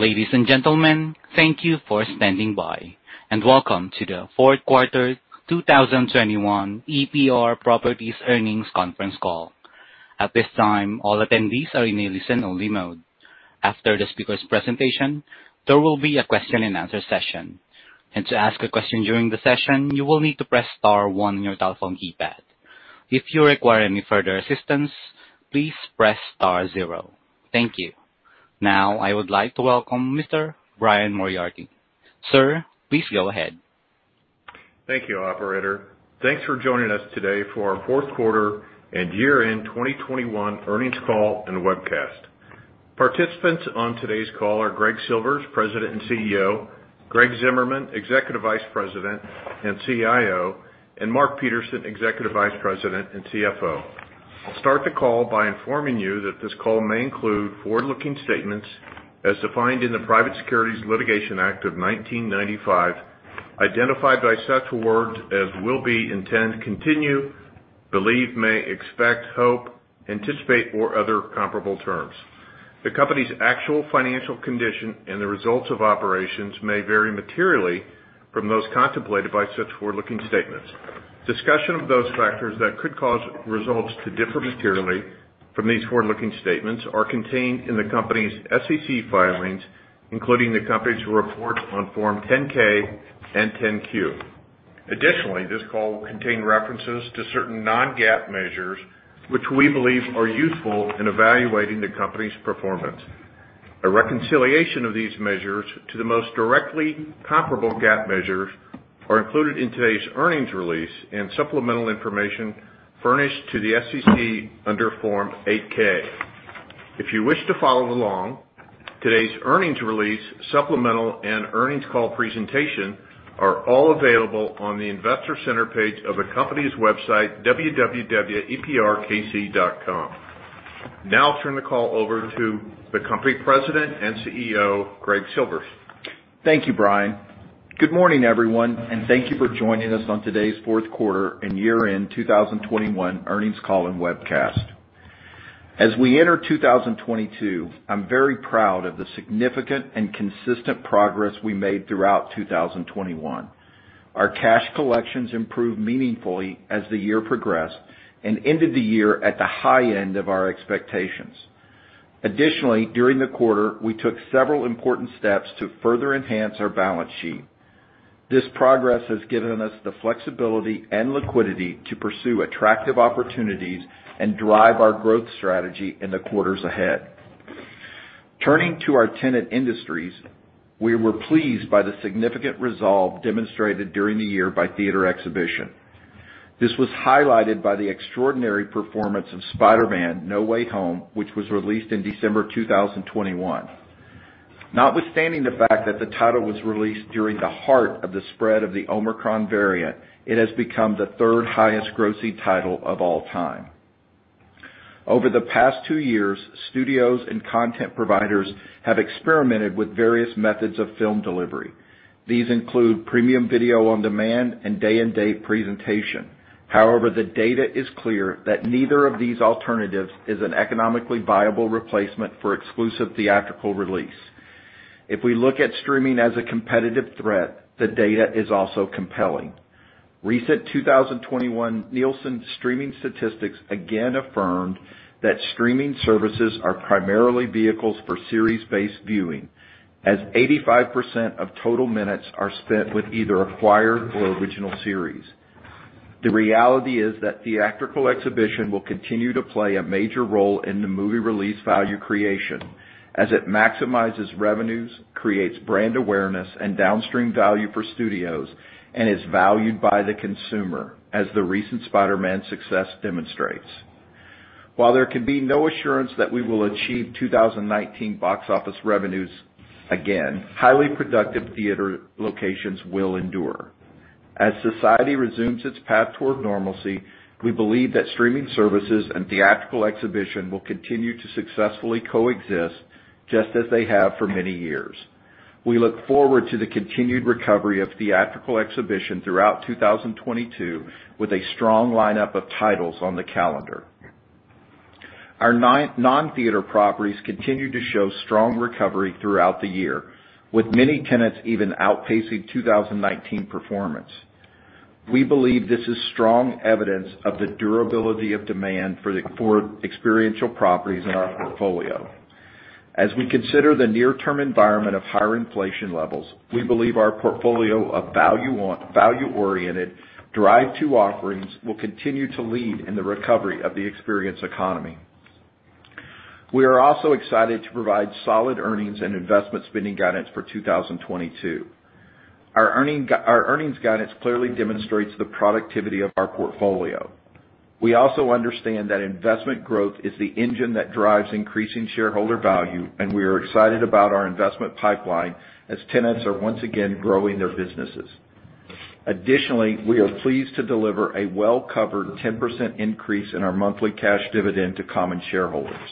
Ladies and gentlemen, thank you for standing by, and welcome to the fourth quarter 2021 EPR Properties earnings conference call. At this time, all attendees are in a listen-only mode. After the speaker's presentation, there will be a question and answer session. To ask a question during the session, you will need to press star one on your telephone keypad. If you require any further assistance, please press star zero. Thank you. Now I would like to welcome Mr. Brian Moriarty. Sir, please go ahead. Thank you, operator. Thanks for joining us today for our fourth quarter and year-end 2021 earnings call and webcast. Participants on today's call are Greg Silvers, President and CEO, Greg Zimmerman, Executive Vice President and CIO, and Mark Peterson, Executive Vice President and CFO. I'll start the call by informing you that this call may include forward-looking statements as defined in the Private Securities Litigation Reform Act of 1995, identified by such words as will be, intend, continue, believe, may, expect, hope, anticipate, or other comparable terms. The company's actual financial condition and the results of operations may vary materially from those contemplated by such forward-looking statements. Discussion of those factors that could cause results to differ materially from these forward-looking statements are contained in the company's SEC filings, including the company's report on Form 10-K and Form 10-Q. Additionally, this call will contain references to certain non-GAAP measures which we believe are useful in evaluating the company's performance. A reconciliation of these measures to the most directly comparable GAAP measures are included in today's earnings release and supplemental information furnished to the SEC under Form 8-K. If you wish to follow along, today's earnings release, supplemental and earnings call presentation are all available on the investor center page of the company's website, www.eprkc.com. Now I'll turn the call over to the company President and CEO, Greg Silvers. Thank you, Brian. Good morning, everyone, and thank you for joining us on today's fourth quarter and year-end 2021 earnings call and webcast. As we enter 2022, I'm very proud of the significant and consistent progress we made throughout 2021. Our cash collections improved meaningfully as the year progressed and ended the year at the high end of our expectations. Additionally, during the quarter, we took several important steps to further enhance our balance sheet. This progress has given us the flexibility and liquidity to pursue attractive opportunities and drive our growth strategy in the quarters ahead. Turning to our tenant industries, we were pleased by the significant resolve demonstrated during the year by theater exhibition. This was highlighted by the extraordinary performance of Spider-Man: No Way Home, which was released in December 2021. Notwithstanding the fact that the title was released during the heart of the spread of the Omicron variant, it has become the third-highest grossing title of all time. Over the past two years, studios and content providers have experimented with various methods of film delivery. These include premium video on demand and day and date presentation. However, the data is clear that neither of these alternatives is an economically viable replacement for exclusive theatrical release. If we look at streaming as a competitive threat, the data is also compelling. Recent 2021 Nielsen streaming statistics again affirmed that streaming services are primarily vehicles for series-based viewing, as 85% of total minutes are spent with either acquired or original series. The reality is that theatrical exhibition will continue to play a major role in the movie release value creation as it maximizes revenues, creates brand awareness and downstream value for studios, and is valued by the consumer, as the recent Spider-Man success demonstrates. While there can be no assurance that we will achieve 2019 box office revenues again, highly productive theater locations will endure. As society resumes its path toward normalcy, we believe that streaming services and theatrical exhibition will continue to successfully coexist, just as they have for many years. We look forward to the continued recovery of theatrical exhibition throughout 2022 with a strong lineup of titles on the calendar. Our non-theater properties continued to show strong recovery throughout the year, with many tenants even outpacing 2019 performance. We believe this is strong evidence of the durability of demand for experiential properties in our portfolio. As we consider the near-term environment of higher inflation levels, we believe our portfolio of value-oriented drive-to offerings will continue to lead in the recovery of the experience economy. We are also excited to provide solid earnings and investment spending guidance for 2022. Our earnings guidance clearly demonstrates the productivity of our portfolio. We also understand that investment growth is the engine that drives increasing shareholder value, and we are excited about our investment pipeline as tenants are once again growing their businesses. Additionally, we are pleased to deliver a well-covered 10% increase in our monthly cash dividend to common shareholders.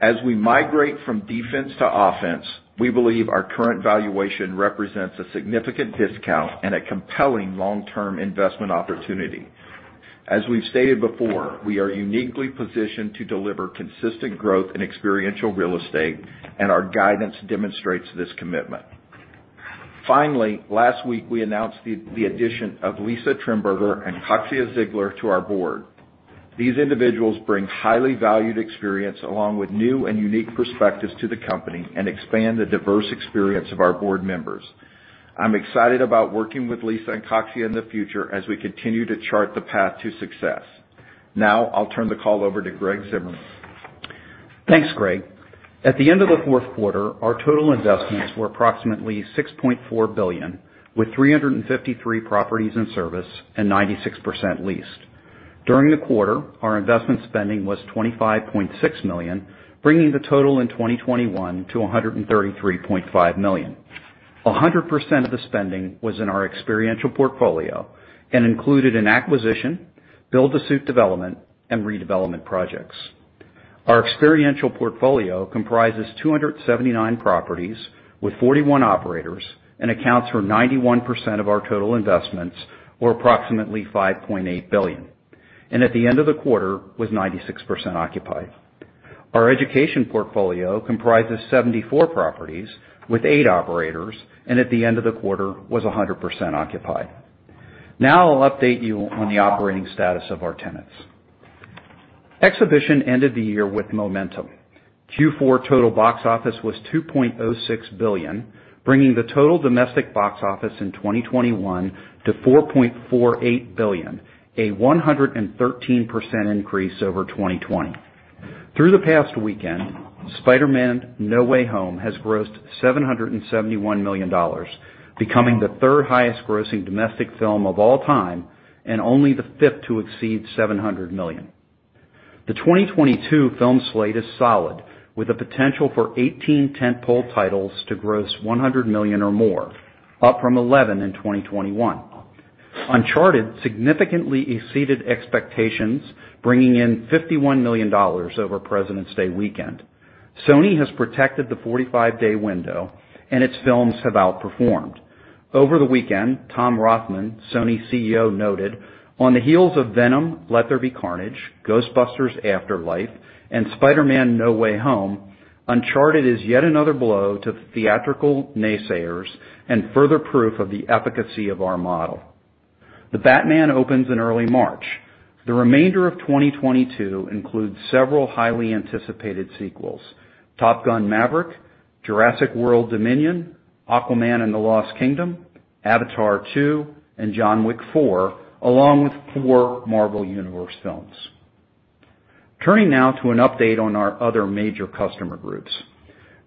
As we migrate from defense to offense, we believe our current valuation represents a significant discount and a compelling long-term investment opportunity. As we've stated before, we are uniquely positioned to deliver consistent growth in experiential real estate, and our guidance demonstrates this commitment. Finally, last week, we announced the addition of Lisa Trimberger and Caixia Ziegler to our board. These individuals bring highly valued experience along with new and unique perspectives to the company and expand the diverse experience of our board members. I'm excited about working with Lisa and Caixia in the future as we continue to chart the path to success. Now I'll turn the call over to Greg Zimmerman. Thanks, Greg. At the end of the fourth quarter, our total investments were approximately $6.4 billion, with 353 properties in service and 96% leased. During the quarter, our investment spending was $25.6 million, bringing the total in 2021 to $133.5 million. 100% of the spending was in our experiential portfolio and included an acquisition, build-to-suit development, and redevelopment projects. Our experiential portfolio comprises 279 properties with 41 operators and accounts for 91% of our total investments or approximately $5.8 billion, and at the end of the quarter, was 96% occupied. Our education portfolio comprises 74 properties with eight operators, and at the end of the quarter was 100% occupied. Now I'll update you on the operating status of our tenants. Exhibition ended the year with momentum. Q4 total box office was $2.06 billion, bringing the total domestic box office in 2021 to $4.48 billion, a 113% increase over 2020. Through the past weekend, Spider-Man: No Way Home has grossed $771 million, becoming the third-highest grossing domestic film of all time and only the fifth to exceed $700 million. The 2022 film slate is solid, with the potential for 18 tent-pole titles to gross $100 million or more, up from 11 in 2021. Uncharted significantly exceeded expectations, bringing in $51 million over Presidents' Day weekend. Sony has protected the 45-day window, and its films have outperformed. Over the weekend, Tom Rothman, Sony CEO, noted, "On the heels of Venom: Let There Be Carnage, Ghostbusters: Afterlife, and Spider-Man: No Way Home, Uncharted is yet another blow to theatrical naysayers and further proof of the efficacy of our model." The Batman opens in early March. The remainder of 2022 includes several highly anticipated sequels: Top Gun: Maverick, Jurassic World Dominion, Aquaman and the Lost Kingdom, Avatar 2, and John Wick 4, along with four Marvel Universe films. Turning now to an update on our other major customer groups.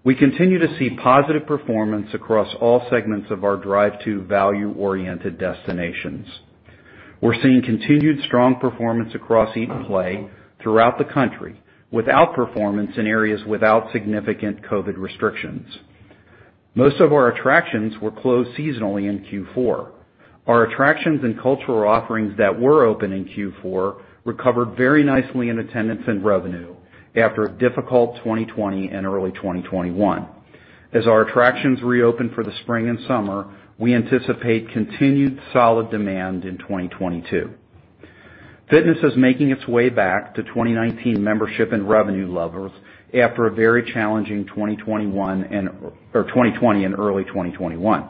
We continue to see positive performance across all segments of our portfolio of value-oriented destinations. We're seeing continued strong performance across Eat & Play throughout the country with outperformance in areas without significant COVID restrictions. Most of our attractions were closed seasonally in Q4. Our attractions and cultural offerings that were open in Q4 recovered very nicely in attendance and revenue after a difficult 2020 and early 2021. As our attractions reopen for the spring and summer, we anticipate continued solid demand in 2022. Fitness is making its way back to 2019 membership and revenue levels after a very challenging 2020 and early 2021.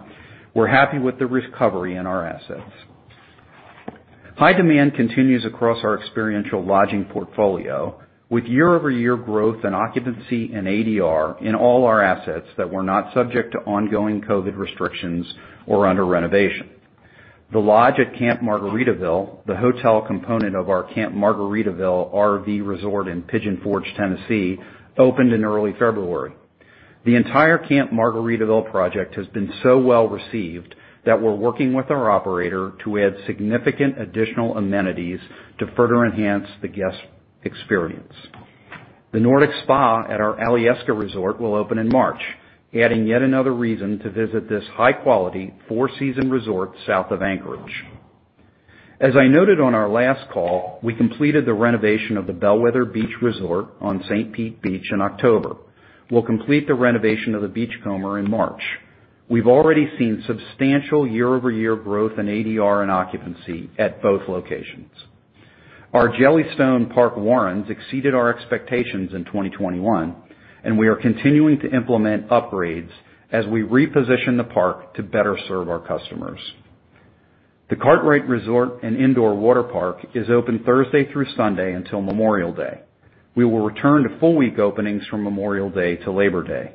We're happy with the recovery in our assets. High demand continues across our experiential lodging portfolio with year-over-year growth in occupancy and ADR in all our assets that were not subject to ongoing COVID restrictions or under renovation. The Lodge at Camp Margaritaville, the hotel component of our Camp Margaritaville RV resort in Pigeon Forge, Tennessee, opened in early February. The entire Camp Margaritaville project has been so well-received that we're working with our operator to add significant additional amenities to further enhance the guest experience. The Nordic Spa at our Alyeska Resort will open in March, adding yet another reason to visit this high-quality four-season resort south of Anchorage. As I noted on our last call, we completed the renovation of the Bellwether Beach Resort on St. Pete Beach in October. We'll complete the renovation of the Beachcomber in March. We've already seen substantial year-over-year growth in ADR and occupancy at both locations. Our Jellystone Park warrants exceeded our expectations in 2021, and we are continuing to implement upgrades as we reposition the park to better serve our customers. The Kartrite Resort and Indoor Waterpark is open Thursday through Sunday until Memorial Day. We will return to full week openings from Memorial Day to Labor Day.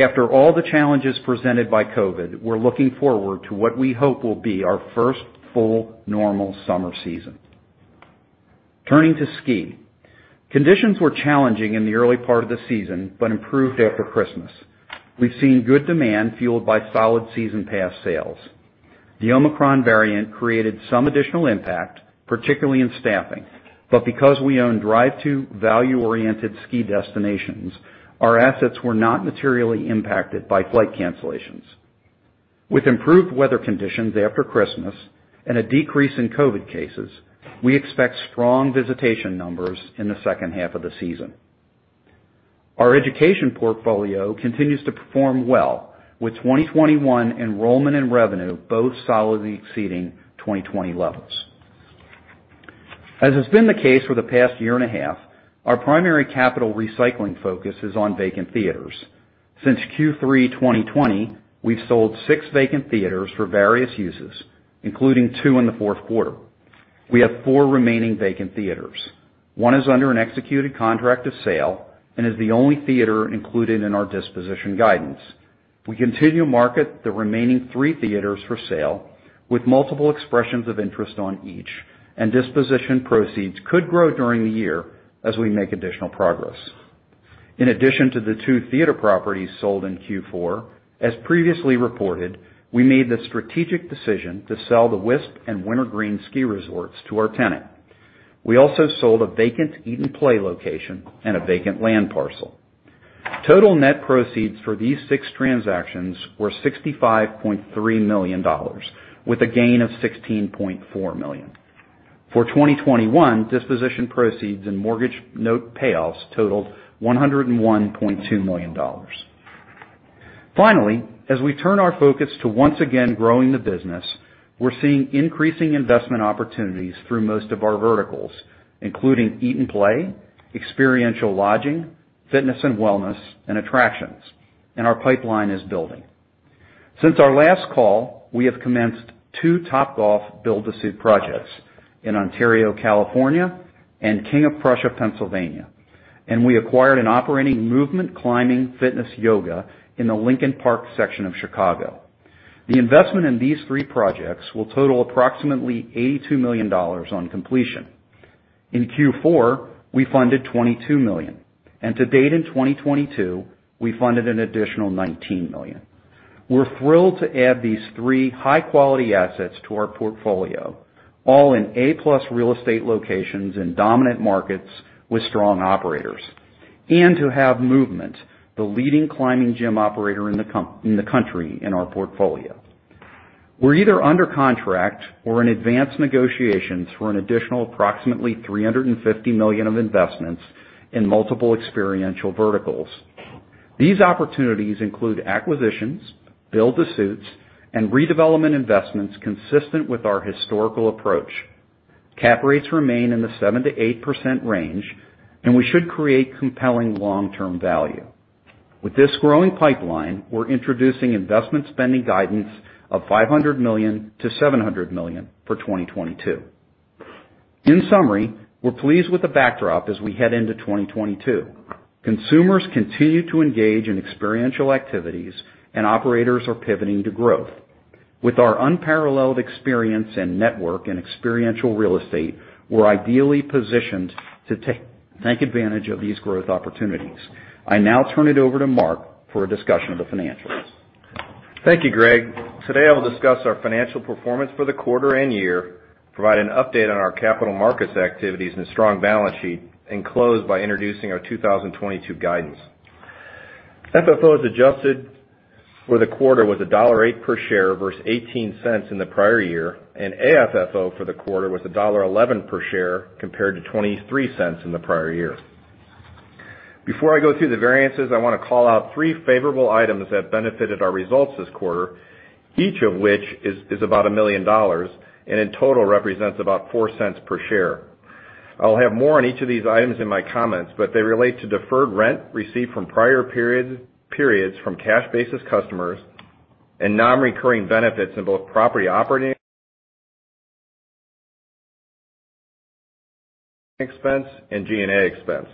After all the challenges presented by COVID, we're looking forward to what we hope will be our first full normal summer season. Turning to ski. Conditions were challenging in the early part of the season but improved after Christmas. We've seen good demand fueled by solid season pass sales. The Omicron variant created some additional impact, particularly in staffing. But because we own drive to value-oriented ski destinations, our assets were not materially impacted by flight cancellations. With improved weather conditions after Christmas and a decrease in COVID cases, we expect strong visitation numbers in the second half of the season. Our education portfolio continues to perform well, with 2021 enrollment and revenue both solidly exceeding 2020 levels. As has been the case for the past year and a half, our primary capital recycling focus is on vacant theaters. Since Q3 2020, we've sold six vacant theaters for various uses, including two in the fourth quarter. We have four remaining vacant theaters. One is under an executed contract of sale and is the only theater included in our disposition guidance. We continue to market the remaining three theaters for sale with multiple expressions of interest on each, and disposition proceeds could grow during the year as we make additional progress. In addition to the two theater properties sold in Q4, as previously reported, we made the strategic decision to sell the Wisp and Wintergreen ski resorts to our tenant. We also sold a vacant Eat & Play location and a vacant land parcel. Total net proceeds for these six transactions were $65.3 million, with a gain of $16.4 million. For 2021, disposition proceeds and mortgage note payoffs totaled $101.2 million. Finally, as we turn our focus to once again growing the business, we're seeing increasing investment opportunities through most of our verticals, including Eat & Play, experiential lodging, fitness and wellness, and attractions, and our pipeline is building. Since our last call, we have commenced two Topgolf build-to-suit projects in Ontario, California, and King of Prussia, Pennsylvania, and we acquired an operating Movement climbing fitness yoga in the Lincoln Park section of Chicago. The investment in these three projects will total approximately $82 million on completion. In Q4, we funded $22 million, and to date in 2022, we funded an additional $19 million. We're thrilled to add these three high-quality assets to our portfolio, all in A-plus real estate locations in dominant markets with strong operators, and to have Movement, the leading climbing gym operator in the country, in our portfolio. We're either under contract or in advanced negotiations for an additional approximately $350 million of investments in multiple experiential verticals. These opportunities include acquisitions, build-to-suits, and redevelopment investments consistent with our historical approach. Cap rates remain in the 7%-8% range, and we should create compelling long-term value. With this growing pipeline, we're introducing investment spending guidance of $500 million-$700 million for 2022. In summary, we're pleased with the backdrop as we head into 2022. Consumers continue to engage in experiential activities, and operators are pivoting to growth. With our unparalleled experience and network in experiential real estate, we're ideally positioned to take advantage of these growth opportunities. I now turn it over to Mark for a discussion of the financials. Thank you, Greg. Today, I will discuss our financial performance for the quarter and year, provide an update on our capital markets activities and a strong balance sheet, and close by introducing our 2022 guidance. FFO as adjusted for the quarter was $1.08 per share versus $0.18 in the prior year, and AFFO for the quarter was $1.11 per share compared to $0.23 in the prior year. Before I go through the variances, I want to call out three favorable items that benefited our results this quarter, each of which is about $1 million and in total represents about $0.04 Per share. I'll have more on each of these items in my comments, but they relate to deferred rent received from prior periods from cash-basis customers and non-recurring benefits in both property operating expense and G&A expense.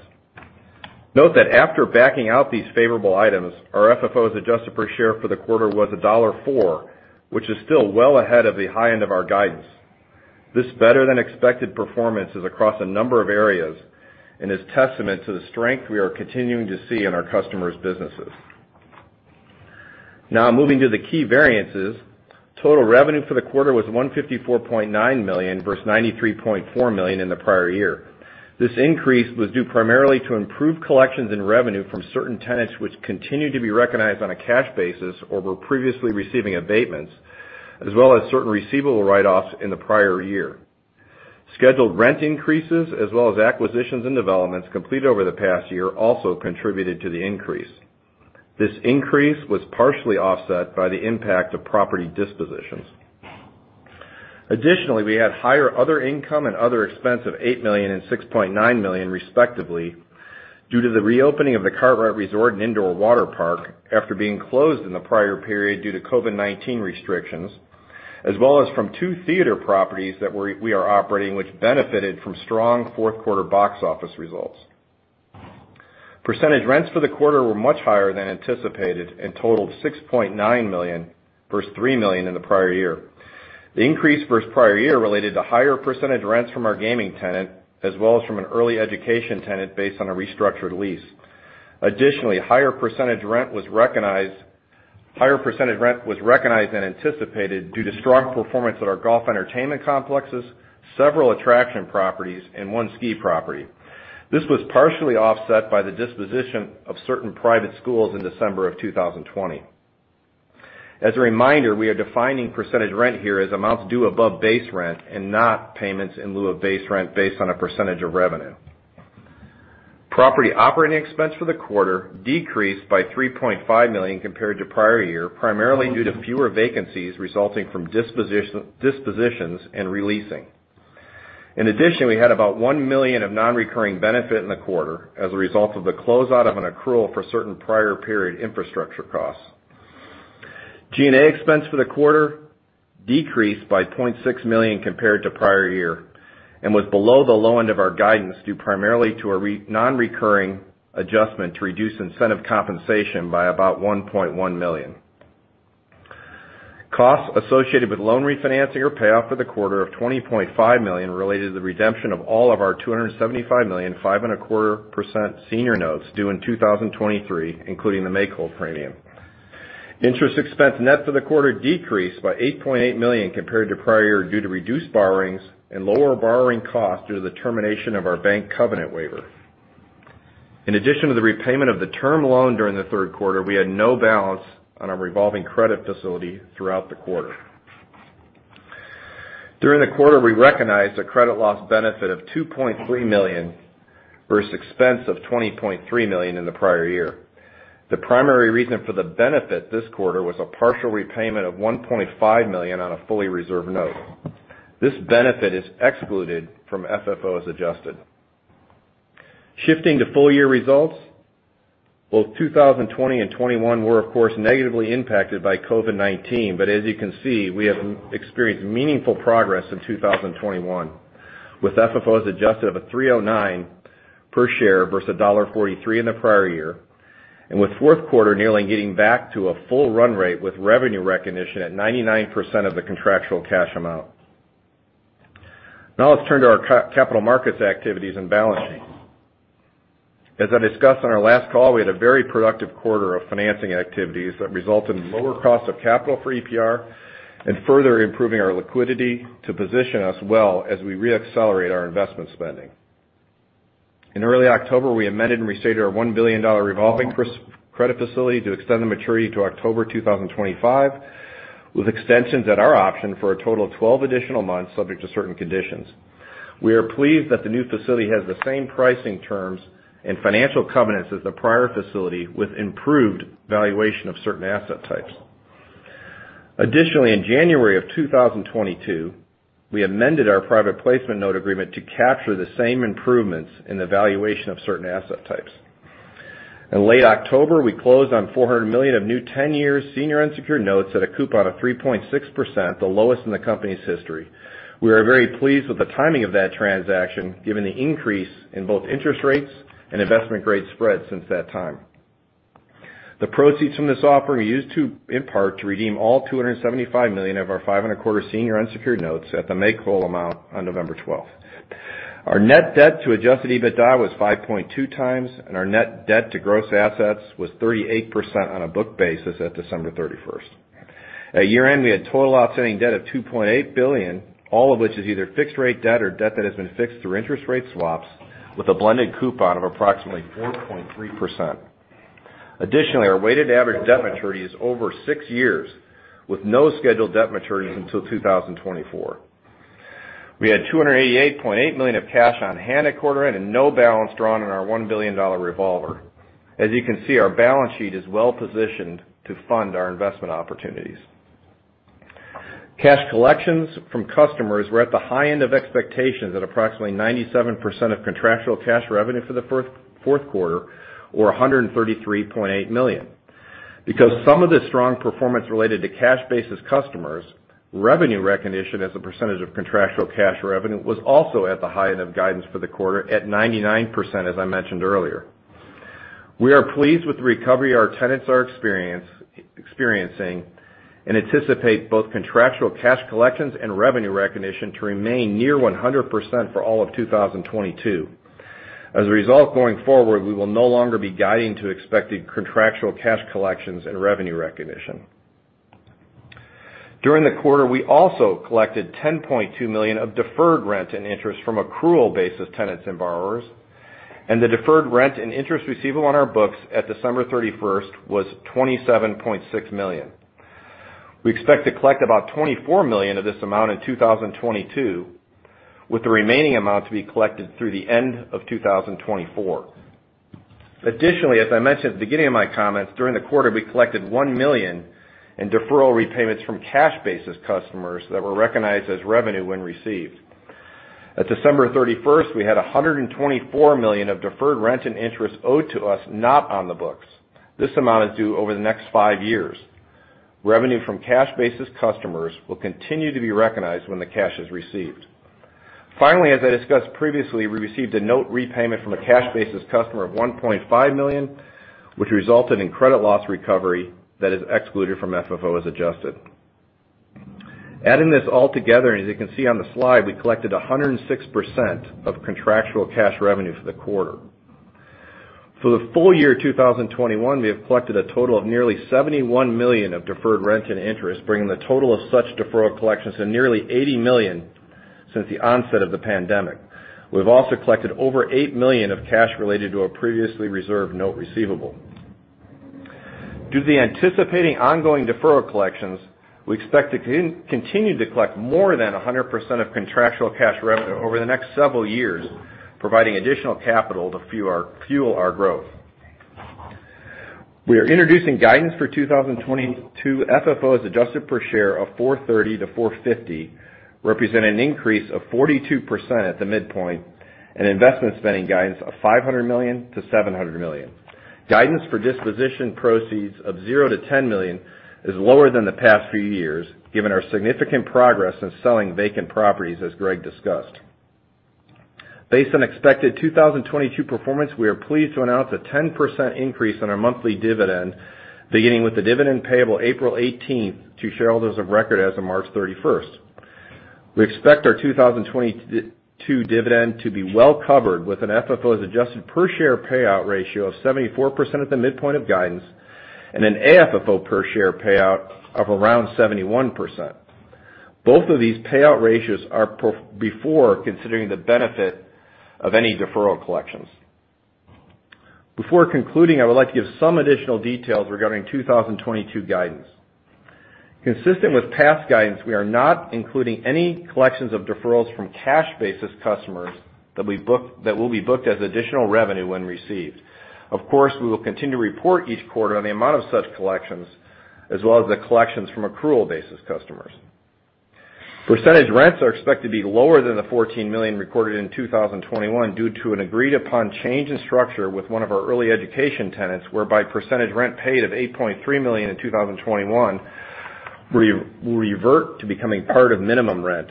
Note that after backing out these favorable items, our FFO as adjusted per share for the quarter was $1.04, which is still well ahead of the high end of our guidance. This better-than-expected performance is across a number of areas and is testament to the strength we are continuing to see in our customers' businesses. Now moving to the key variances, total revenue for the quarter was $154.9 million versus $93.4 million in the prior year. This increase was due primarily to improved collections and revenue from certain tenants which continued to be recognized on a cash basis or were previously receiving abatements, as well as certain receivable write-offs in the prior year. Scheduled rent increases, as well as acquisitions and developments completed over the past year, also contributed to the increase. This increase was partially offset by the impact of property dispositions. Additionally, we had higher other income and other expense of $8 million and $6.9 million, respectively, due to the reopening of The Kartrite Resort & Indoor Waterpark after being closed in the prior period due to COVID-19 restrictions, as well as from two theater properties that we are operating, which benefited from strong fourth quarter box office results. Percentage rents for the quarter were much higher than anticipated and totaled $6.9 million versus $3 million in the prior year. The increase versus prior year related to higher percentage rents from our gaming tenant as well as from an early education tenant based on a restructured lease. Additionally, higher percentage rent was recognized than anticipated due to strong performance at our golf entertainment complexes, several attraction properties, and one ski property. This was partially offset by the disposition of certain private schools in December of 2020. As a reminder, we are defining percentage rent here as amounts due above base rent and not payments in lieu of base rent based on a percentage of revenue. Property operating expense for the quarter decreased by $3.5 million compared to prior year, primarily due to fewer vacancies resulting from dispositions and releasing. In addition, we had about $1 million of non-recurring benefit in the quarter as a result of the closeout of an accrual for certain prior period infrastructure costs. G&A expense for the quarter decreased by $0.6 million compared to prior year and was below the low end of our guidance, due primarily to a non-recurring adjustment to reduce incentive compensation by about $1.1 million. Costs associated with loan refinancing or payoff for the quarter of $20.5 million related to the redemption of all of our $275 million, 5.25% senior notes due in 2023, including the make-whole premium. Interest expense, net, for the quarter decreased by $8.8 million compared to prior year, due to reduced borrowings and lower borrowing costs through the termination of our bank covenant waiver. In addition to the repayment of the term loan during the third quarter, we had no balance on our revolving credit facility throughout the quarter. During the quarter, we recognized a credit loss benefit of $2.3 million versus expense of $20.3 million in the prior year. The primary reason for the benefit this quarter was a partial repayment of $1.5 million on a fully reserved note. This benefit is excluded from FFO as adjusted. Shifting to full year results. Both 2020 and 2021 were, of course, negatively impacted by COVID-19. As you can see, we have experienced meaningful progress in 2021, with FFO as adjusted of $3.09 per share versus $1.43 in the prior year. With fourth quarter nearly getting back to a full run rate, with revenue recognition at 99% of the contractual cash amount. Now let's turn to our capital markets activities and balance sheet. As I discussed on our last call, we had a very productive quarter of financing activities that result in lower cost of capital for EPR and further improving our liquidity to position us well as we re-accelerate our investment spending. In early October, we amended and restated our $1 billion revolving credit facility to extend the maturity to October 2025, with extensions at our option for a total of 12 additional months, subject to certain conditions. We are pleased that the new facility has the same pricing terms and financial covenants as the prior facility, with improved valuation of certain asset types. Additionally, in January 2022, we amended our private placement note agreement to capture the same improvements in the valuation of certain asset types. In late October, we closed on $400 million of new 10-year senior unsecured notes at a coupon of 3.6%, the lowest in the company's history. We are very pleased with the timing of that transaction, given the increase in both interest rates and investment grade spread since that time. The proceeds from this offering we used to, in part, to redeem $275 million of our 5.25% senior unsecured notes at the make-whole amount on November 12. Our net debt to adjusted EBITDA was 5.2x, and our net debt to gross assets was 38% on a book basis at December 31. At year-end, we had total outstanding debt of $2.8 billion, all of which is either fixed-rate debt or debt that has been fixed through interest rate swaps with a blended coupon of approximately 4.3%. Additionally, our weighted average debt maturity is over six years, with no scheduled debt maturities until 2024. We had $288.8 million of cash on hand at quarter end and no balance drawn on our $1 billion revolver. As you can see, our balance sheet is well positioned to fund our investment opportunities. Cash collections from customers were at the high end of expectations at approximately 97% of contractual cash revenue for the fourth quarter or $133.8 million. Because some of the strong performance related to cash basis customers, revenue recognition as a percentage of contractual cash revenue was also at the high end of guidance for the quarter at 99%, as I mentioned earlier. We are pleased with the recovery our tenants are experiencing and anticipate both contractual cash collections and revenue recognition to remain near 100% for all of 2022. As a result, going forward, we will no longer be guiding to expected contractual cash collections and revenue recognition. During the quarter, we also collected $10.2 million of deferred rent and interest from accrual basis tenants and borrowers, and the deferred rent and interest receivable on our books at December 31 was $27.6 million. We expect to collect about $24 million of this amount in 2022, with the remaining amount to be collected through the end of 2024. Additionally, as I mentioned at the beginning of my comments, during the quarter, we collected $1 million in deferral repayments from cash basis customers that were recognized as revenue when received. At December 31, we had $124 million of deferred rent and interest owed to us, not on the books. This amount is due over the next five years. Revenue from cash basis customers will continue to be recognized when the cash is received. Finally, as I discussed previously, we received a note repayment from a cash basis customer of $1.5 million, which resulted in credit loss recovery that is excluded from FFO as adjusted. Adding this all together, and as you can see on the slide, we collected 106% of contractual cash revenue for the quarter. For the full year 2021, we have collected a total of nearly $71 million of deferred rent and interest, bringing the total of such deferral collections to nearly $80 million since the onset of the pandemic. We've also collected over $8 million of cash related to a previously reserved note receivable. Due to the anticipated ongoing deferral collections, we expect to continue to collect more than 100% of contractual cash revenue over the next several years, providing additional capital to fuel our growth. We are introducing guidance for 2022 FFO as adjusted per share of $4.30-$4.50, represent an increase of 42% at the midpoint and investment spending guidance of $500 million-$700 million. Guidance for disposition proceeds of $0-$10 million is lower than the past few years, given our significant progress in selling vacant properties as Greg discussed. Based on expected 2022 performance, we are pleased to announce a 10% increase in our monthly dividend, beginning with the dividend payable April 18 to shareholders of record as of March 31. We expect our 2022 dividend to be well covered with an FFO as adjusted per share payout ratio of 74% at the midpoint of guidance and an AFFO per share payout of around 71%. Both of these payout ratios are projected before considering the benefit of any deferral collections. Before concluding, I would like to give some additional details regarding 2022 guidance. Consistent with past guidance, we are not including any collections of deferrals from cash basis customers that will be booked as additional revenue when received. Of course, we will continue to report each quarter on the amount of such collections as well as the collections from accrual basis customers. Percentage rents are expected to be lower than the $14 million recorded in 2021 due to an agreed upon change in structure with one of our early education tenants, whereby percentage rent paid of $8.3 million in 2021 will revert to becoming part of minimum rent.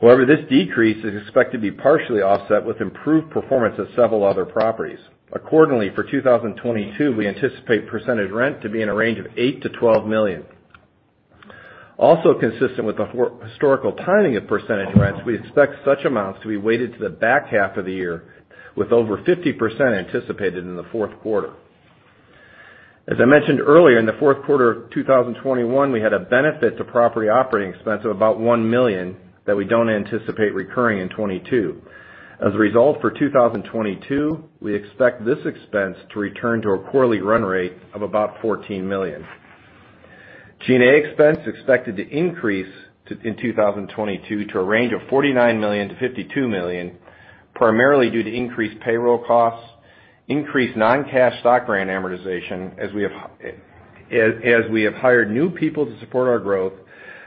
However, this decrease is expected to be partially offset with improved performance of several other properties. Accordingly, for 2022, we anticipate percentage rent to be in a range of $8 million-$12 million. Also consistent with the historical timing of percentage rents, we expect such amounts to be weighted to the back half of the year with over 50% anticipated in the fourth quarter. As I mentioned earlier, in the fourth quarter of 2021, we had a benefit to property operating expense of about $1 million that we don't anticipate recurring in 2022. As a result, for 2022, we expect this expense to return to a quarterly run rate of about $14 million. G&A expense is expected to increase to in 2022 to a range of $49 million-$52 million, primarily due to increased payroll costs, increased non-cash stock grant amortization as we have hired new people to support our growth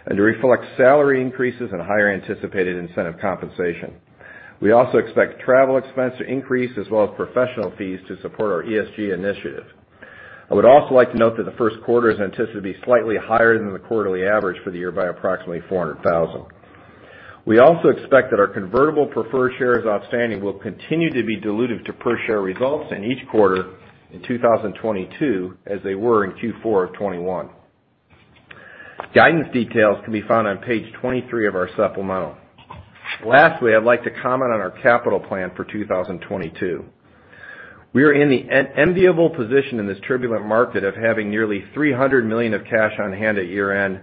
and to reflect salary increases and higher anticipated incentive compensation. We also expect travel expense to increase as well as professional fees to support our ESG initiative. I would also like to note that the first quarter is anticipated to be slightly higher than the quarterly average for the year by approximately $400,000. We also expect that our convertible preferred shares outstanding will continue to be dilutive to per share results in each quarter in 2022 as they were in Q4 of 2021. Guidance details can be found on page 23 of our supplemental. Lastly, I'd like to comment on our capital plan for 2022. We are in the enviable position in this turbulent market of having nearly $300 million of cash on hand at year-end,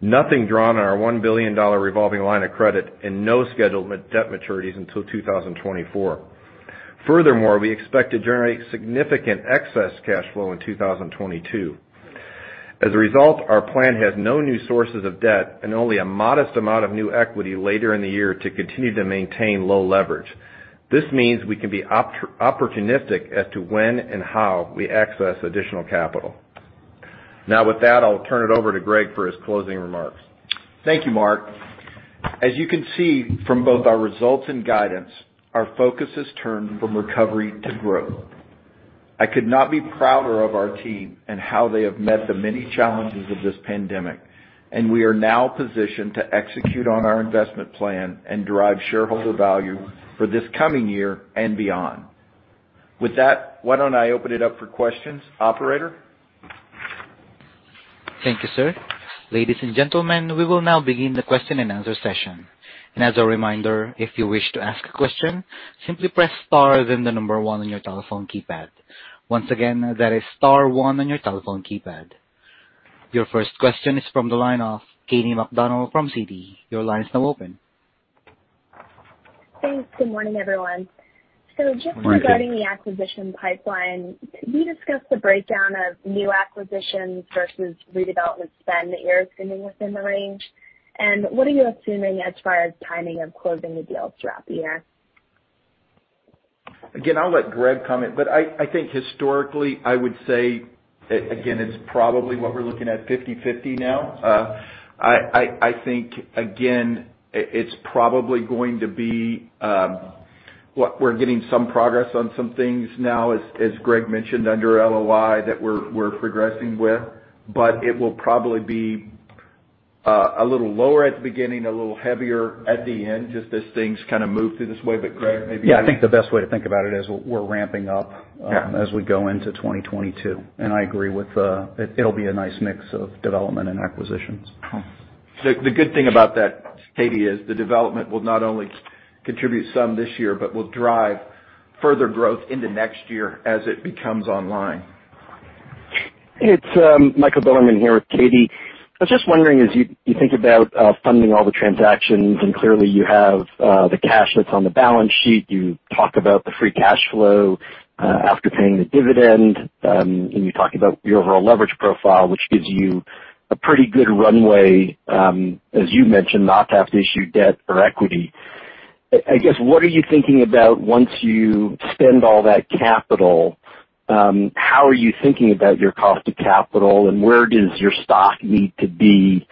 nothing drawn on our $1 billion revolving line of credit, and no scheduled debt maturities until 2024. Furthermore, we expect to generate significant excess cash flow in 2022. As a result, our plan has no new sources of debt and only a modest amount of new equity later in the year to continue to maintain low leverage. This means we can be opportunistic as to when and how we access additional capital. Now with that, I'll turn it over to Greg for his closing remarks. Thank you, Mark. As you can see from both our results and guidance, our focus has turned from recovery to growth. I could not be prouder of our team and how they have met the many challenges of this pandemic, and we are now positioned to execute on our investment plan and drive shareholder value for this coming year and beyond. With that, why don't I open it up for questions. Operator? Thank you, sir. Ladies and gentlemen, we will now begin the question and answer session. As a reminder, if you wish to ask a question, simply press star, then the number one on your telephone keypad. Once again, that is star one on your telephone keypad. Your first question is from the line of Katy McConnell from Citi. Your line is now open. Thanks. Good morning, everyone. Morning. Just regarding the acquisition pipeline, could you discuss the breakdown of new acquisitions versus redevelopment spend that you're assuming within the range? What are you assuming as far as timing of closing the deals throughout the year? Again, I'll let Greg comment, but I think historically, I would say again, it's probably what we're looking at 50/50 now. I think again, it's probably going to be what we're getting some progress on some things now, as Greg mentioned, under LOI that we're progressing with. But it will probably be a little lower at the beginning, a little heavier at the end, just as things kind of move through the sales. But Greg, maybe- Yeah. I think the best way to think about it is we're ramping up. Yeah as we go into 2022. I agree with it. It'll be a nice mix of development and acquisitions. The good thing about that, Katy, is the development will not only contribute some this year, but will drive further growth into next year as it becomes online. It's Michael Bilerman here with Katy. I was just wondering, as you think about funding all the transactions, and clearly you have the cash that's on the balance sheet, you talk about the free cash flow after paying the dividend, and you talk about your overall leverage profile, which gives you a pretty good runway, as you've mentioned, not to have to issue debt or equity. I guess, what are you thinking about once you spend all that capital, how are you thinking about your cost of capital? And where does your stock need to be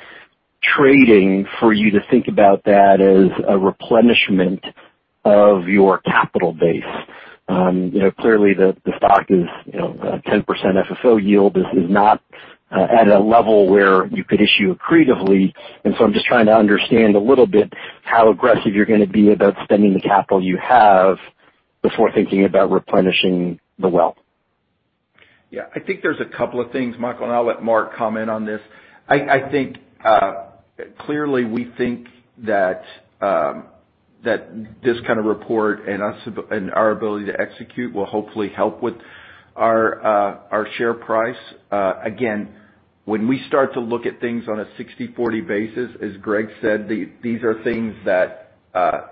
trading for you to think about that as a replenishment of your capital base? You know, clearly the stock is, you know, 10% FFO yield. This is not at a level where you could issue accretively, and so I'm just trying to understand a little bit how aggressive you're gonna be about spending the capital you have before thinking about replenishing the wealth. Yeah. I think there's a couple of things, Michael, and I'll let Mark comment on this. I think clearly, we think that this kind of report and our ability to execute will hopefully help with our share price. Again, when we start to look at things on a 60/40 basis, as Greg said, these are things that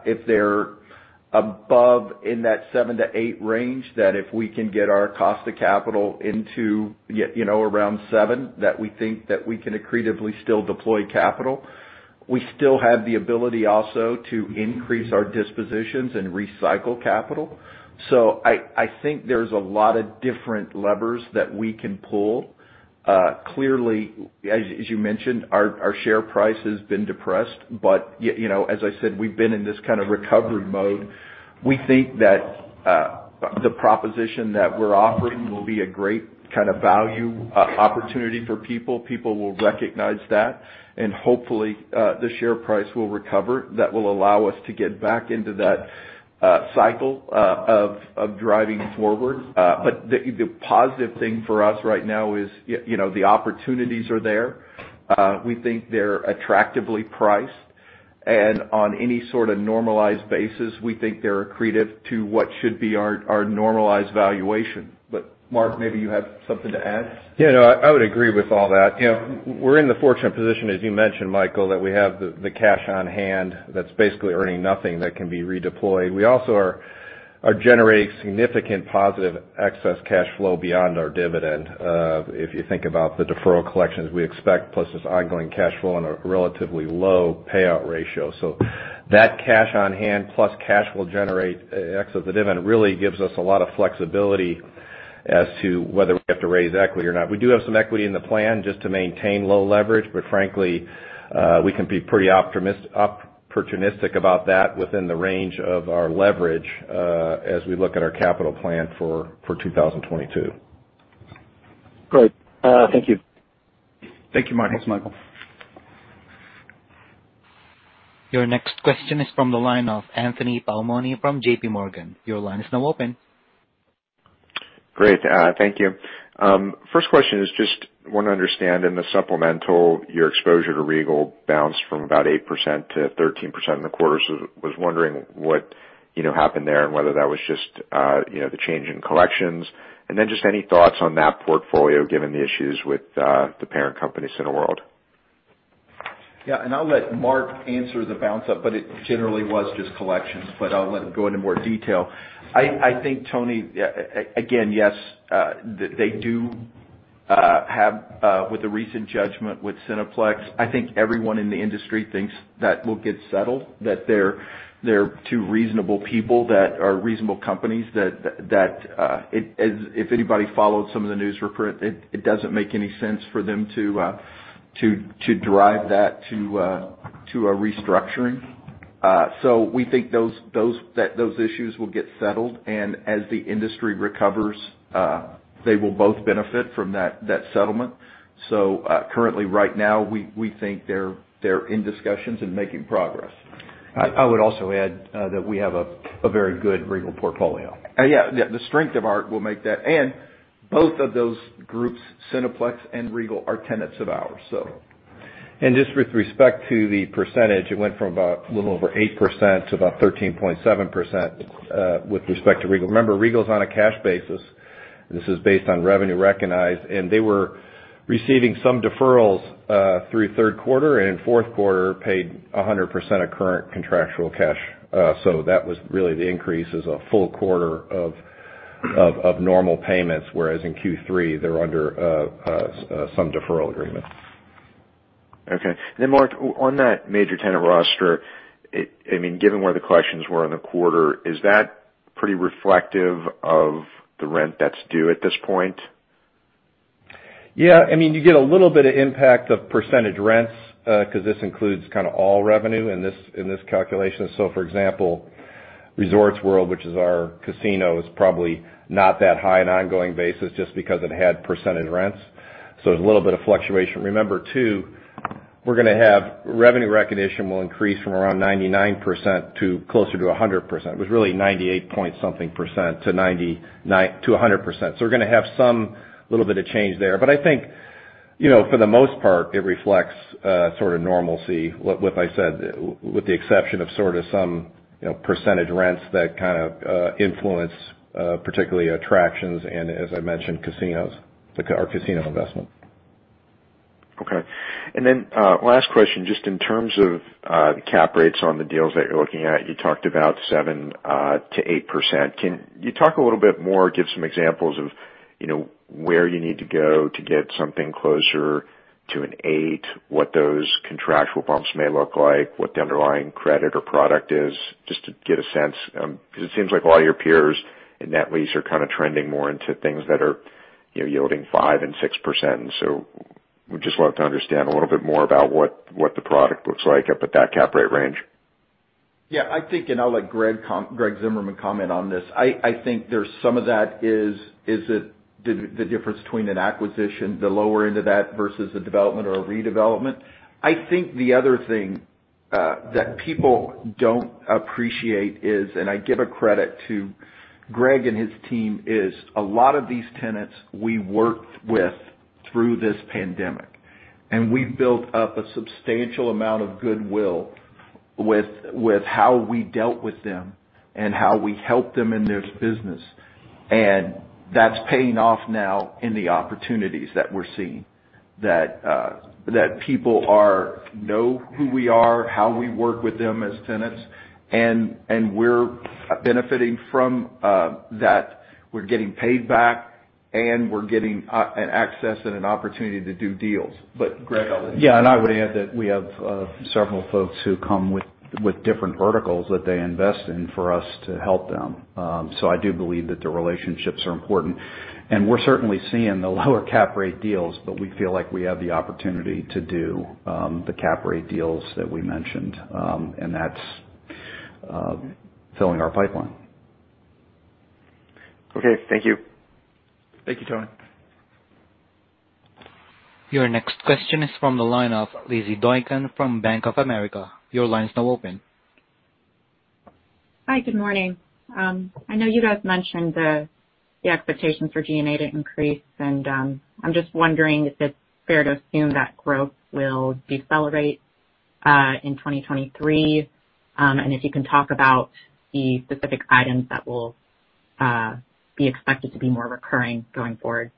if they're above in that 7%-8% range, that if we can get our cost of capital, you know, around 7%, that we think that we can accretively still deploy capital. We still have the ability also to increase our dispositions and recycle capital. I think there's a lot of different levers that we can pull. Clearly, as you mentioned, our share price has been depressed, but you know, as I said, we've been in this kind of recovery mode. We think that the proposition that we're offering will be a great kind of value opportunity for people. People will recognize that, and hopefully the share price will recover. That will allow us to get back into that cycle of driving forward. The positive thing for us right now is, you know, the opportunities are there. We think they're attractively priced, and on any sort of normalized basis, we think they're accretive to what should be our normalized valuation. Mark, maybe you have something to add. Yeah, no, I would agree with all that. You know, we're in the fortunate position, as you mentioned, Michael, that we have the cash on hand that's basically earning nothing that can be redeployed. We also are generating significant positive excess cash flow beyond our dividend. If you think about the deferral collections we expect, plus this ongoing cash flow on a relatively low payout ratio, that cash on hand plus cash flow generate excess of the dividend really gives us a lot of flexibility as to whether we have to raise equity or not. We do have some equity in the plan just to maintain low leverage, but frankly, we can be pretty opportunistic about that within the range of our leverage, as we look at our capital plan for 2022. Great. Thank you. Thank you, Michael. Thanks, Michael. Your next question is from the line of Anthony Paolone from JPMorgan. Your line is now open. I just want to understand in the supplemental, your exposure to Regal bounced from about 8% to 13% in the quarter. I was wondering what happened there and whether that was just the change in collections. Just any thoughts on that portfolio, given the issues with the parent company, Cineworld. Yeah. I'll let Mark answer the bounce up, but it generally was just collections. I'll let him go into more detail. I think, Tony, again, yes, they do have with the recent judgment with Cineplex, I think everyone in the industry thinks that will get settled, that they're two reasonable people that are reasonable companies. If anybody followed some of the news report, it doesn't make any sense for them to drive that to a restructuring. We think those issues will get settled. As the industry recovers, they will both benefit from that settlement. Currently right now, we think they're in discussions and making progress.I would also add that we have a very good Regal portfolio. Both of those groups, Cineplex and Regal, are tenants of ours, so. Just with respect to the percentage, it went from about a little over 8% to about 13.7%, with respect to Regal. Remember, Regal's on a cash basis. This is based on revenue recognized, and they were receiving some deferrals through third quarter, and in fourth quarter, paid 100% of current contractual cash. So that was really the increase as a full quarter of normal payments, whereas in Q3 they're under some deferral agreement. Mark, on that major tenant roster, I mean, given where the collections were in the quarter, is that pretty reflective of the rent that's due at this point? Yeah. I mean, you get a little bit of impact of percentage rents, 'cause this includes kinda all revenue in this, in this calculation. For example, Resorts World, which is our casino, is probably not that high on an ongoing basis just because it had percentage rents. There's a little bit of fluctuation. Remember too, we're gonna have revenue recognition will increase from around 99% to closer to 100%. It was really 98.something% to 100%. We're gonna have some little bit of change there. But I think...you know, for the most part, it reflects sort of normalcy, what I said, with the exception of sort of some, you know, percentage rents that kind of influence, particularly attractions and, as I mentioned, casinos, our casino investment. Okay. Last question, just in terms of the cap rates on the deals that you're looking at, you talked about 7%-8%. Can you talk a little bit more, give some examples of, you know, where you need to go to get something closer to an 8%, what those contractual bumps may look like, what the underlying credit or product is, just to get a sense, because it seems like a lot of your peers in net lease are kind of trending more into things that are, you know, yielding 5% and 6%. We just wanted to understand a little bit more about what the product looks like up at that cap rate range. Yeah, I think, and I'll let Greg Zimmerman comment on this. I think there's some of that is the difference between an acquisition, the lower end of that versus a development or a redevelopment. I think the other thing that people don't appreciate is, and I give a credit to Greg and his team, is a lot of these tenants we worked with through this pandemic. We've built up a substantial amount of goodwill with how we dealt with them and how we helped them in their business. That's paying off now in the opportunities that we're seeing, that people know who we are, how we work with them as tenants, and we're benefiting from that. We're getting paid back, and we're getting an access and an opportunity to do deals. Greg, I'll let you. Yeah, I would add that we have several folks who come with different verticals that they invest in for us to help them. I do believe that the relationships are important. We're certainly seeing the lower cap rate deals, but we feel like we have the opportunity to do the cap rate deals that we mentioned. That's filling our pipeline. Okay, thank you. Thank you, Tony. Your next question is from the line of Lizzy Doykan from Bank of America. Your line is now open. Hi, good morning. I know you guys mentioned the expectations for G&A to increase, and I'm just wondering if it's fair to assume that growth will decelerate in 2023. If you can talk about the specific items that will be expected to be more recurring going forward.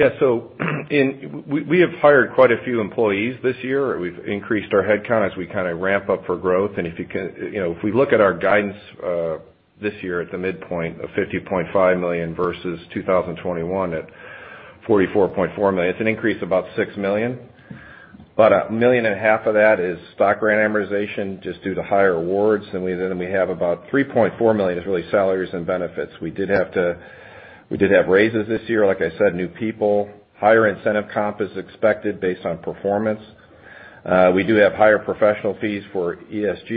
We have hired quite a few employees this year. We've increased our headcount as we kind of ramp up for growth. You know, if we look at our guidance, this year at the midpoint of $50.5 million versus 2021 at $44.4 million, it's an increase of about $6 million. About $1.5 million of that is stock rent amortization just due to higher awards, and we have about $3.4 million is really salaries and benefits. We did have raises this year. Like I said, new people. Higher incentive comp is expected based on performance. We do have higher professional fees for ESG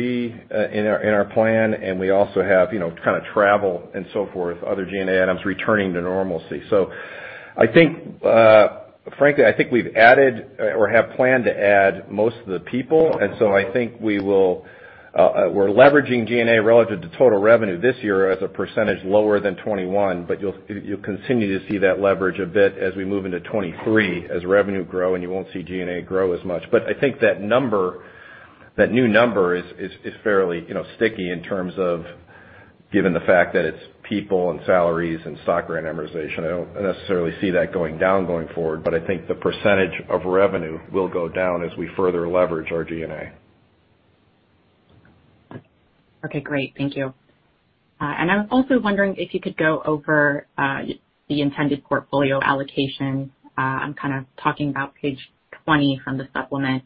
in our plan, and we also have, you know, kind of travel and so forth, other G&A items returning to normalcy. I think, frankly, I think we've added or have planned to add most of the people. I think we're leveraging G&A relative to total revenue this year as a percentage lower than 2021, but you'll continue to see that leverage a bit as we move into 2023, as revenue grow and you won't see G&A grow as much. I think that number, that new number is fairly, you know, sticky in terms of given the fact that it's people and salaries and stock rent amortization. I don't necessarily see that going down going forward, but I think the percentage of revenue will go down as we further leverage our G&A. Okay, great. Thank you. I was also wondering if you could go over the intended portfolio allocation. I'm kind of talking about page 20 from the supplement.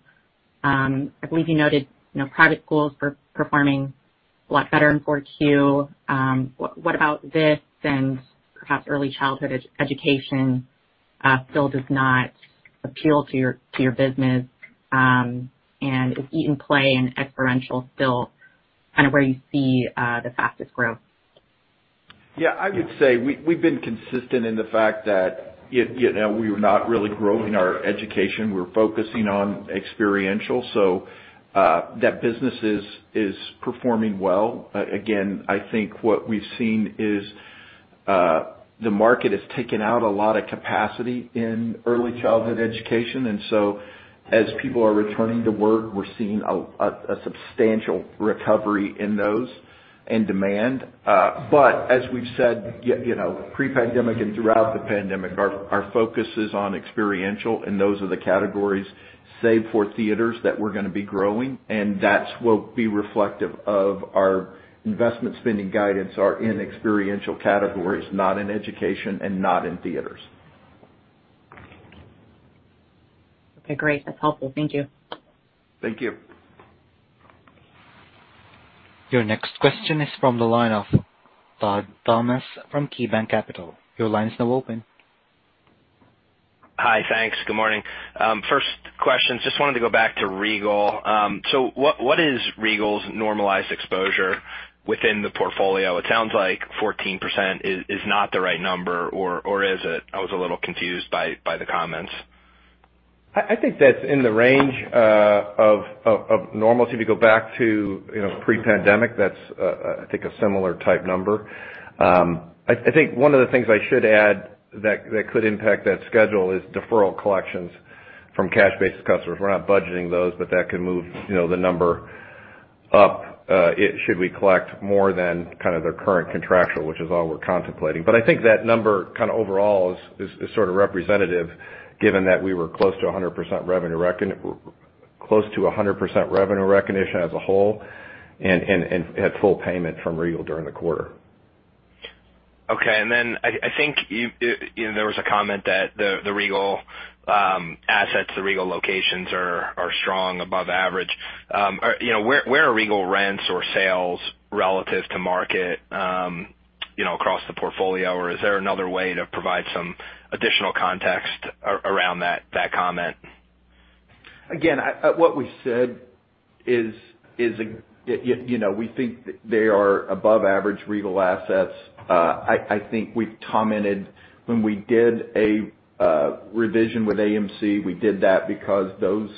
I believe you noted, you know, private schools were performing a lot better in 4Q. What about this and perhaps early childhood education still does not appeal to your business? Is Eat & Play and experiential still kind of where you see the fastest growth? Yeah. I would say we've been consistent in the fact that, you know, we're not really growing our education. We're focusing on experiential. That business is performing well. Again, I think what we've seen is, the market has taken out a lot of capacity in early childhood education. As people are returning to work, we're seeing a substantial recovery in those in demand. As we've said, you know, pre-pandemic and throughout the pandemic, our focus is on experiential and those are the categories, save for theaters, that we're gonna be growing. That's what will be reflective of our investment spending guidance are in experiential categories, not in education and not in theaters. Okay, great. That's helpful. Thank you. Thank you. Your next question is from the line of Todd Thomas from KeyBanc Capital. Your line is now open. Hi. Thanks. Good morning. First question, just wanted to go back to Regal. So what is Regal's normalized exposure within the portfolio? It sounds like 14% is not the right number or is it? I was a little confused by the comments. I think that's in the range of normalcy. If you go back to you know pre-pandemic that's I think a similar type number. I think one of the things I should add that could impact that schedule is deferral collections from cash-based customers. We're not budgeting those but that could move you know the number up if we collect more than kind of their current contractual which is all we're contemplating. But I think that number kind of overall is sort of representative given that we were close to 100% revenue recognition as a whole and had full payment from Regal during the quarter. Okay. I think you know there was a comment that the Regal assets, the Regal locations are strong above average. You know, where are Regal rents or sales relative to market, you know, across the portfolio? Or is there another way to provide some additional context around that comment? Again, what we said is, you know, we think they are above average Regal assets. I think we've commented when we did a revision with AMC. We did that because those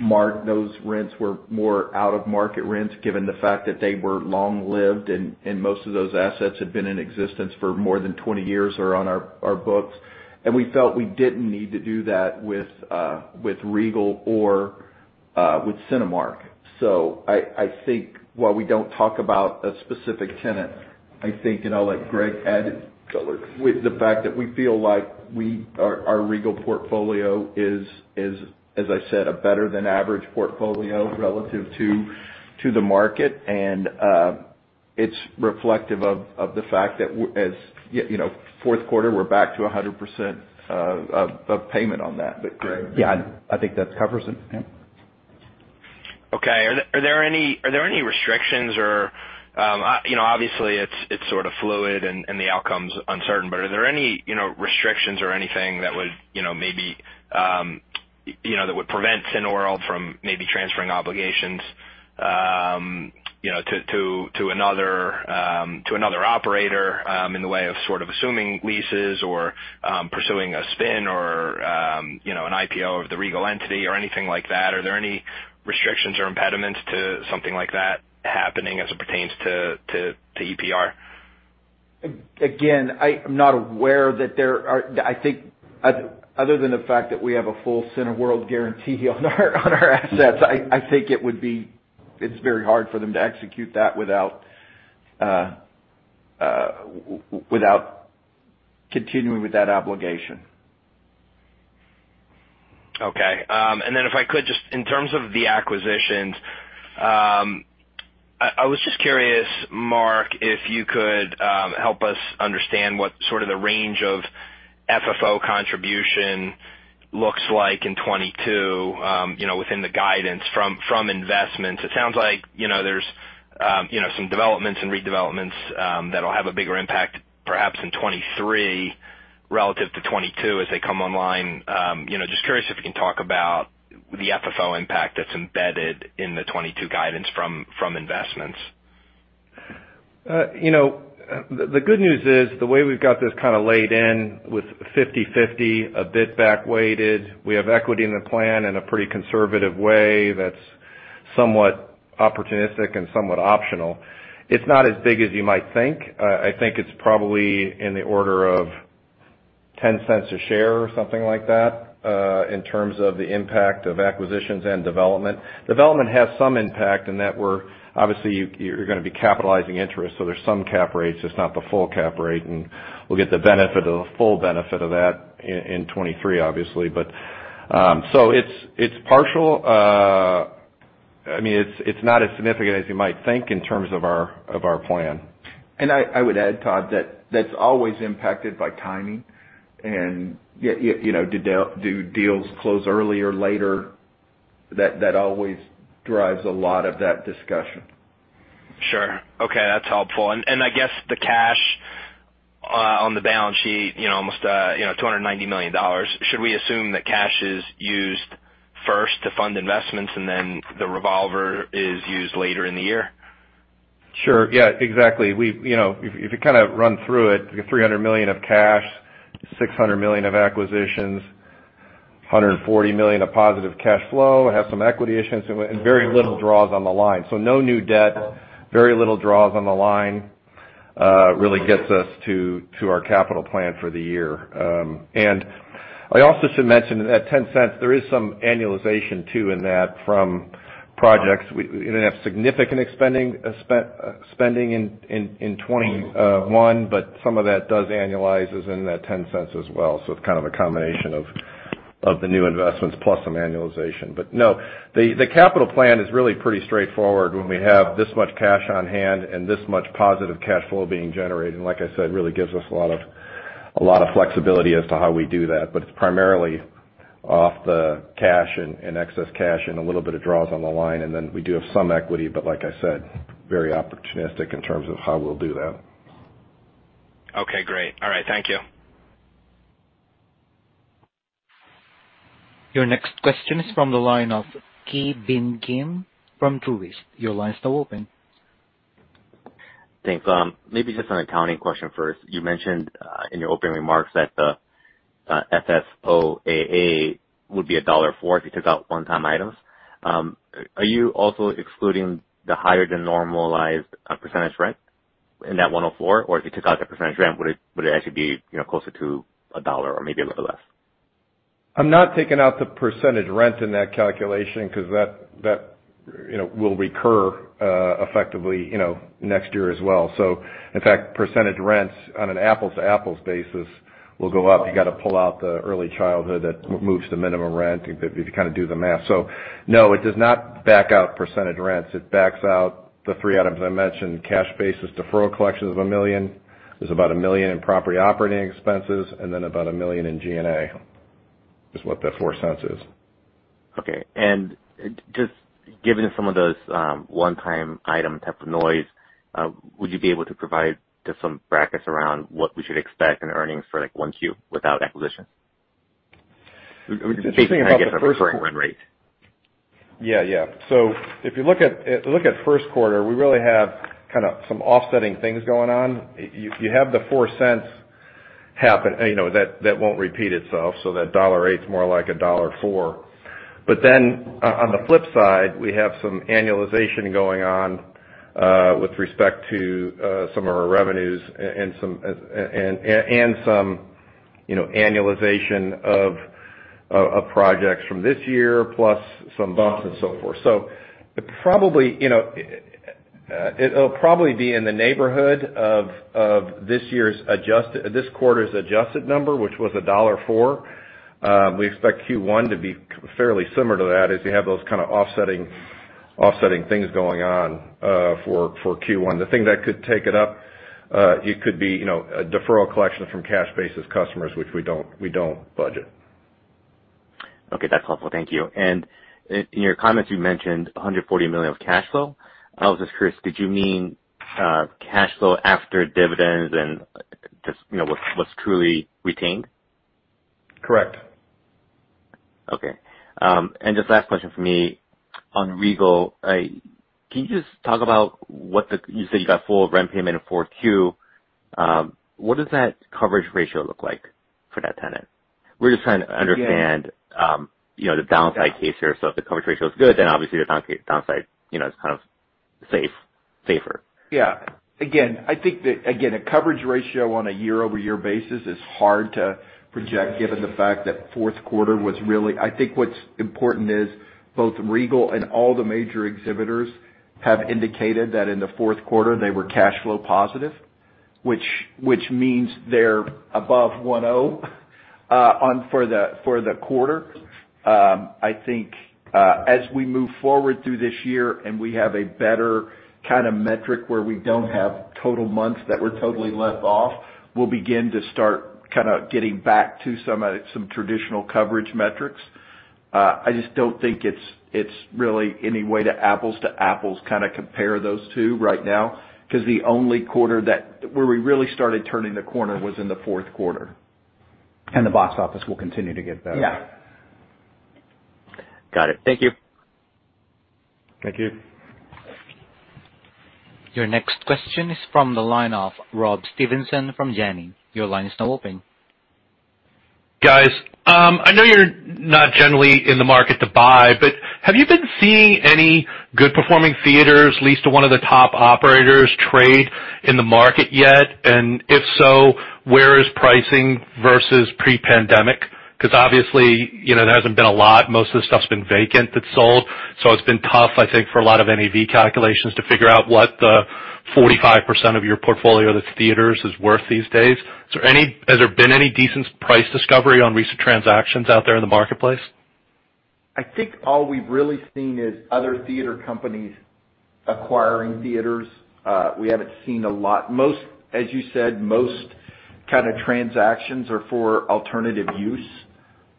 rents were more out of market rents, given the fact that they were long-lived and most of those assets had been in existence for more than 20 years or are on our books. We felt we didn't need to do that with Regal or with Cinemark. I think while we don't talk about a specific tenant, I think you know like Greg added with the fact that we feel like our Regal portfolio is, as I said, a better than average portfolio relative to the market. It's reflective of the fact that, you know, fourth quarter, we're back to 100% of payment on that. Greg. Yeah, I think that covers it. Yeah. Okay. Are there any restrictions or, you know, obviously it's sort of fluid and the outcome's uncertain, but are there any, you know, restrictions or anything that would, you know, maybe, you know, that would prevent Cineworld from maybe transferring obligations, you know, to another operator, in the way of sort of assuming leases or pursuing a spin or, you know, an IPO of the Regal entity or anything like that? Are there any restrictions or impediments to something like that happening as it pertains to EPR? Again, I'm not aware that there are. I think other than the fact that we have a full Cineworld guarantee on our assets, it would be very hard for them to execute that without continuing with that obligation. Okay. If I could, just in terms of the acquisitions, I was just curious, Mark, if you could help us understand what sort of the range of FFO contribution looks like in 2022, you know, within the guidance from investments. It sounds like, you know, there's you know, some developments and redevelopments that'll have a bigger impact perhaps in 2023 relative to 2022 as they come online. You know, just curious if you can talk about the FFO impact that's embedded in the 2022 guidance from investments. You know, the good news is the way we've got this kind of laid in with 50/50, a bit back weighted, we have equity in the plan in a pretty conservative way that's somewhat opportunistic and somewhat optional. It's not as big as you might think. I think it's probably in the order of $0.10 a share or something like that, in terms of the impact of acquisitions and development. Development has some impact in that obviously you're gonna be capitalizing interest, so there's some cap rates, just not the full cap rate, and we'll get the benefit of the full benefit of that in 2023, obviously. So it's partial. I mean, it's not as significant as you might think in terms of our plan. I would add, Todd, that that's always impacted by timing and you know, do deals close earlier or later, that always drives a lot of that discussion. Sure. Okay, that's helpful. I guess the cash on the balance sheet, you know, almost $290 million, should we assume that cash is used first to fund investments and then the revolver is used later in the year? Sure. Yeah, exactly. We you know, if you kind of run through it, $300 million of cash, $600 million of acquisitions, $140 million of positive cash flow, have some equity issuance and very little draws on the line. No new debt, very little draws on the line, really gets us to our capital plan for the year. And I also should mention at $0.10, there is some annualization too in that from projects. We didn't have significant spending in 2021, but some of that does annualize is in that $0.10 as well. It's kind of a combination of the new investments plus some annualization. No, the capital plan is really pretty straightforward when we have this much cash on hand and this much positive cash flow being generated. Like I said, really gives us a lot of flexibility as to how we do that. It's primarily off the cash and excess cash and a little bit of draws on the line. Then we do have some equity, but like I said, very opportunistic in terms of how we'll do that. Okay, great. All right. Thank you. Your next question is from the line of Ki Bin Kim from Truist. Your line's now open. Thanks. Maybe just an accounting question first. You mentioned in your opening remarks that the FFOAA would be $1.04 if you took out one-time items. Are you also excluding the higher than normalized percentage rent in that $1.04? Or if you took out the percentage rent, would it actually be, you know, closer to $1 or maybe a little less? I'm not taking out the percentage rent in that calculation because that you know will recur effectively you know next year as well. In fact, percentage rents on an apples-to-apples basis will go up. You got to pull out the early childhood that moves to minimum rent if you kind of do the math. No, it does not back out percentage rents. It backs out the three items I mentioned, cash basis, deferral collections of $1 million. There's about $1 million in property operating expenses and then about $1 million in G&A is what that $0.04 is. Okay. Just given some of those one-time item type of noise, would you be able to provide just some brackets around what we should expect in earnings for, like, 1Q without acquisition? The thing about the first one. Just trying to get the recurring run rate. Yeah, yeah. If you look at first quarter, we really have kind of some offsetting things going on. You have the $0.04 happen. You know, that won't repeat itself. That $1.08 is more like $1.04. But then on the flip side, we have some annualization going on, with respect to some of our revenues and some annualization of projects from this year plus some bumps and so forth. Probably, you know. It will probably be in the neighborhood of this quarter's adjusted number, which was $1.04. We expect Q1 to be fairly similar to that as you have those kind of offsetting things going on for Q1. The thing that could take it up, it could be, you know, a deferral collection from cash basis customers, which we don't budget. Okay, that's helpful. Thank you. In your comments, you mentioned $140 million of cash flow. I was just curious, did you mean cash flow after dividends and just, you know, what's truly retained? Correct. Okay. Just last question for me on Regal. Can you just talk about you said you got full rent payment in 4Q. What does that coverage ratio look like for that tenant? We're just trying to understand. Yeah. You know, the downside case here. If the coverage ratio is good, then obviously the downside, you know, is kind of safer. Yeah. Again, I think that, again, a coverage ratio on a year-over-year basis is hard to project, given the fact that fourth quarter was really. I think what's important is both Regal and all the major exhibitors have indicated that in the fourth quarter they were cash flow positive, which means they're above 1.0 for the quarter. I think as we move forward through this year, and we have a better kind of metric where we don't have total months that we're totally left off, we'll begin to start kind of getting back to some traditional coverage metrics. I just don't think it's really any way to apples-to-apples kind of compare those two right now, because the only quarter where we really started turning the corner was in the fourth quarter. The box office will continue to get better. Yeah. Got it. Thank you. Thank you. Your next question is from the line of Rob Stevenson from Janney. Your line is now open. Guys, I know you're not generally in the market to buy, but have you been seeing any good performing theaters leased to one of the top operators trade in the market yet? And if so, where is pricing versus pre-pandemic? Because obviously, you know, there hasn't been a lot. Most of the stuff's been vacant that's sold, so it's been tough, I think, for a lot of NAV calculations to figure out what the 45% of your portfolio that's theaters is worth these days. Has there been any decent price discovery on recent transactions out there in the marketplace? I think all we've really seen is other theater companies acquiring theaters. We haven't seen a lot. Most, as you said, most kind of transactions are for alternative use.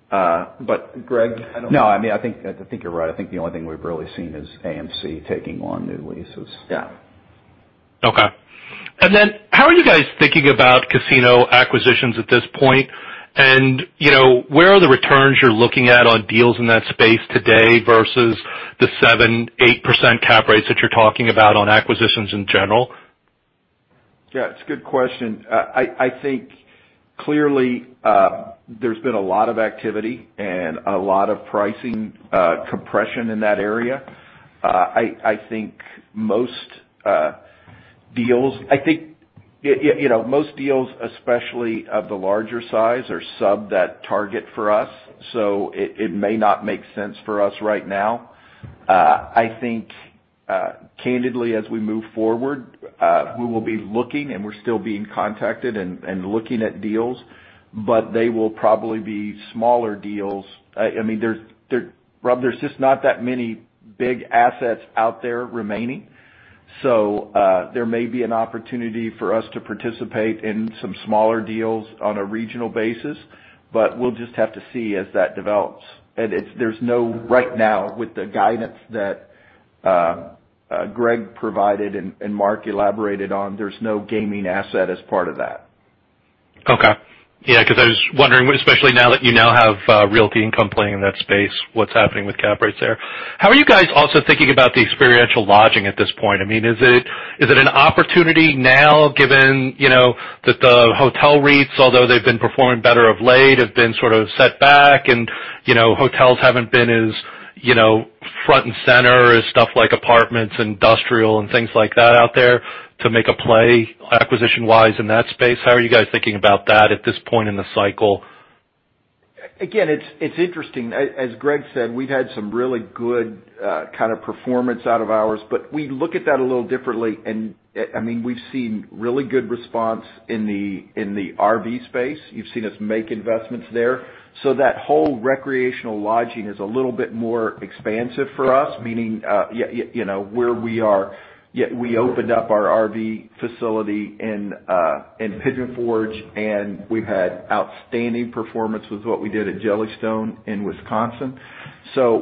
Greg, I don't- No, I mean, I think you're right. I think the only thing we've really seen is AMC taking on new leases. Yeah. Okay. How are you guys thinking about casino acquisitions at this point? You know, where are the returns you're looking at on deals in that space today versus the 7%-8% cap rates that you're talking about on acquisitions in general? Yeah, it's a good question. I think clearly, there's been a lot of activity and a lot of pricing compression in that area. I think most deals, I think, you know, most deals, especially of the larger size, are sub that target for us, so it may not make sense for us right now. I think, candidly, as we move forward, we will be looking, and we're still being contacted and looking at deals, but they will probably be smaller deals. I mean, Rob, there's just not that many big assets out there remaining. There may be an opportunity for us to participate in some smaller deals on a regional basis, but we'll just have to see as that develops. There's no right now with the guidance that Greg provided and Mark elaborated on. There's no gaming asset as part of that. Okay. Yeah, 'cause I was wondering, especially now that you now have Realty Income playing in that space, what's happening with cap rates there. How are you guys also thinking about the experiential lodging at this point? I mean, is it an opportunity now given, you know, that the hotel REITs, although they've been performing better of late, have been sort of set back and, you know, hotels haven't been as, you know, front and center as stuff like apartments, industrial and things like that out there to make a play acquisition-wise in that space? How are you guys thinking about that at this point in the cycle? Again, it's interesting. As Greg said, we've had some really good kind of performance out of ours, but we look at that a little differently. I mean, we've seen really good response in the RV space. You've seen us make investments there. That whole recreational lodging is a little bit more expansive for us, meaning, you know, where we are. Yet we opened up our RV facility in Pigeon Forge, and we've had outstanding performance with what we did at Jellystone in Wisconsin.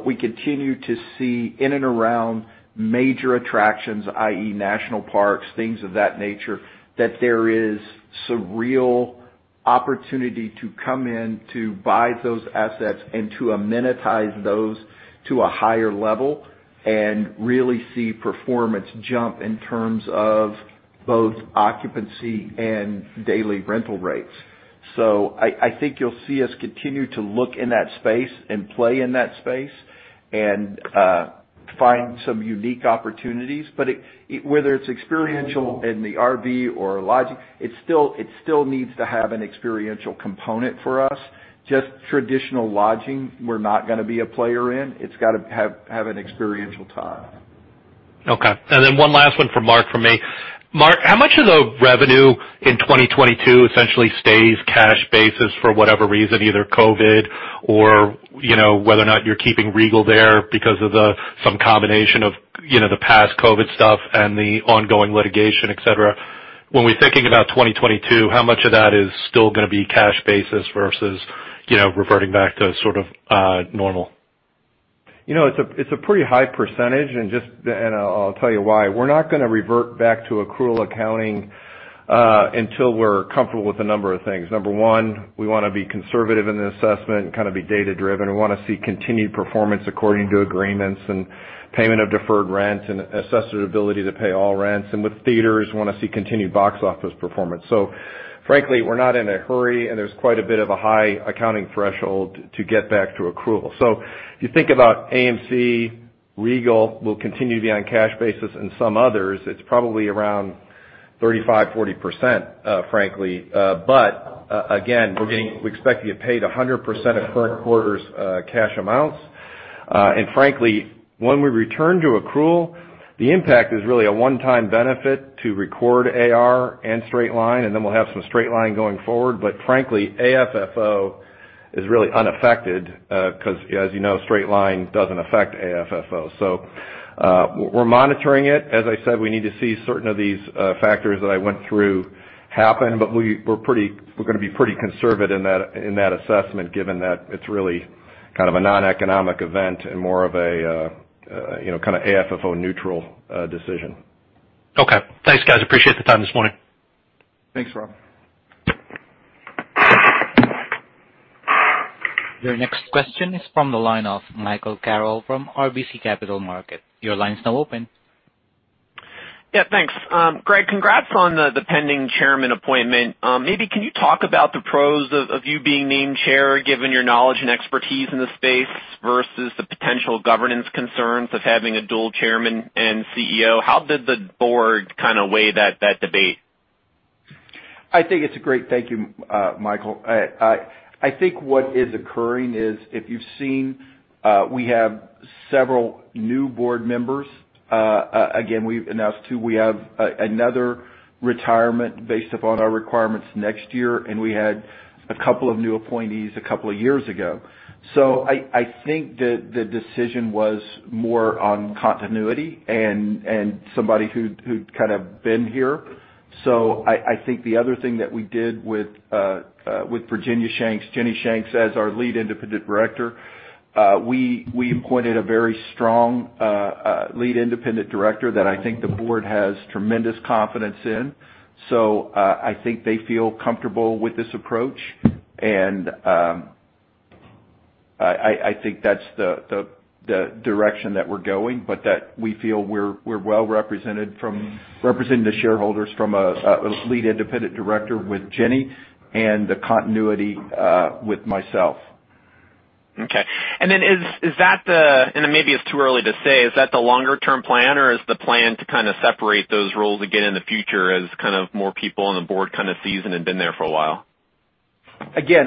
We continue to see in and around major attractions, i.e. national parks, things of that nature, that there is some real opportunity to come in to buy those assets and to amenitize those to a higher level and really see performance jump in terms of both occupancy and daily rental rates. I think you'll see us continue to look in that space and play in that space and find some unique opportunities. Whether it's experiential in the RV or lodging, it still needs to have an experiential component for us. Just traditional lodging, we're not gonna be a player in. It's gotta have an experiential tie. Okay. One last one for Mark from me. Mark, how much of the revenue in 2022 essentially stays cash basis for whatever reason, either COVID or, you know, whether or not you're keeping Regal there because of the, some combination of, you know, the past COVID stuff and the ongoing litigation, et cetera. When we're thinking about 2022, how much of that is still gonna be cash basis versus, you know, reverting back to sort of, normal? You know, it's a pretty high percentage, and I'll tell you why. We're not gonna revert back to accrual accounting until we're comfortable with a number of things. Number one, we wanna be conservative in the assessment and kind of be data-driven. We wanna see continued performance according to agreements and payment of deferred rent and assess their ability to pay all rents. With theaters, we wanna see continued box office performance. Frankly, we're not in a hurry, and there's quite a bit of a high accounting threshold to get back to accrual. If you think about AMC, Regal will continue to be on cash basis, and some others, it's probably around 35%-40%, frankly. But again, we expect to get paid 100% of current quarter's cash amounts. Frankly, when we return to accrual, the impact is really a one-time benefit to record AR and straight line, and then we'll have some straight line going forward. Frankly, AFFO is really unaffected, 'cause as you know, straight line doesn't affect AFFO. We're monitoring it. As I said, we need to see certain of these factors that I went through happen. We're gonna be pretty conservative in that assessment, given that it's really kind of a noneconomic event and more of a you know, kind of AFFO neutral decision. Okay. Thanks, guys. Appreciate the time this morning. Thanks, Rob. Your next question is from the line of Michael Carroll from RBC Capital Markets. Your line's now open. Yeah, thanks. Greg, congrats on the pending chairman appointment. Maybe can you talk about the pros of you being named chair, given your knowledge and expertise in the space versus the potential governance concerns of having a dual chairman and CEO? How did the board kinda weigh that debate? Thank you, Michael. I think what is occurring is, if you've seen, we have several new board members. Again, we've announced too, we have another retirement based upon our requirements next year, and we had a couple of new appointees a couple of years ago. I think that the decision was more on continuity and somebody who'd kind of been here. I think the other thing that we did with Virginia Shanks, Ginny Shanks as our Lead Independent Director that I think the board has tremendous confidence in. I think they feel comfortable with this approach. I think that's the direction that we're going, but that we feel we're well represented representing the shareholders from a Lead Independent Director with Ginny and the continuity with myself. Maybe it's too early to say, is that the longer term plan, or is the plan to kinda separate those roles again in the future as kind of more people on the board kind of seasoned and been there for a while? Again,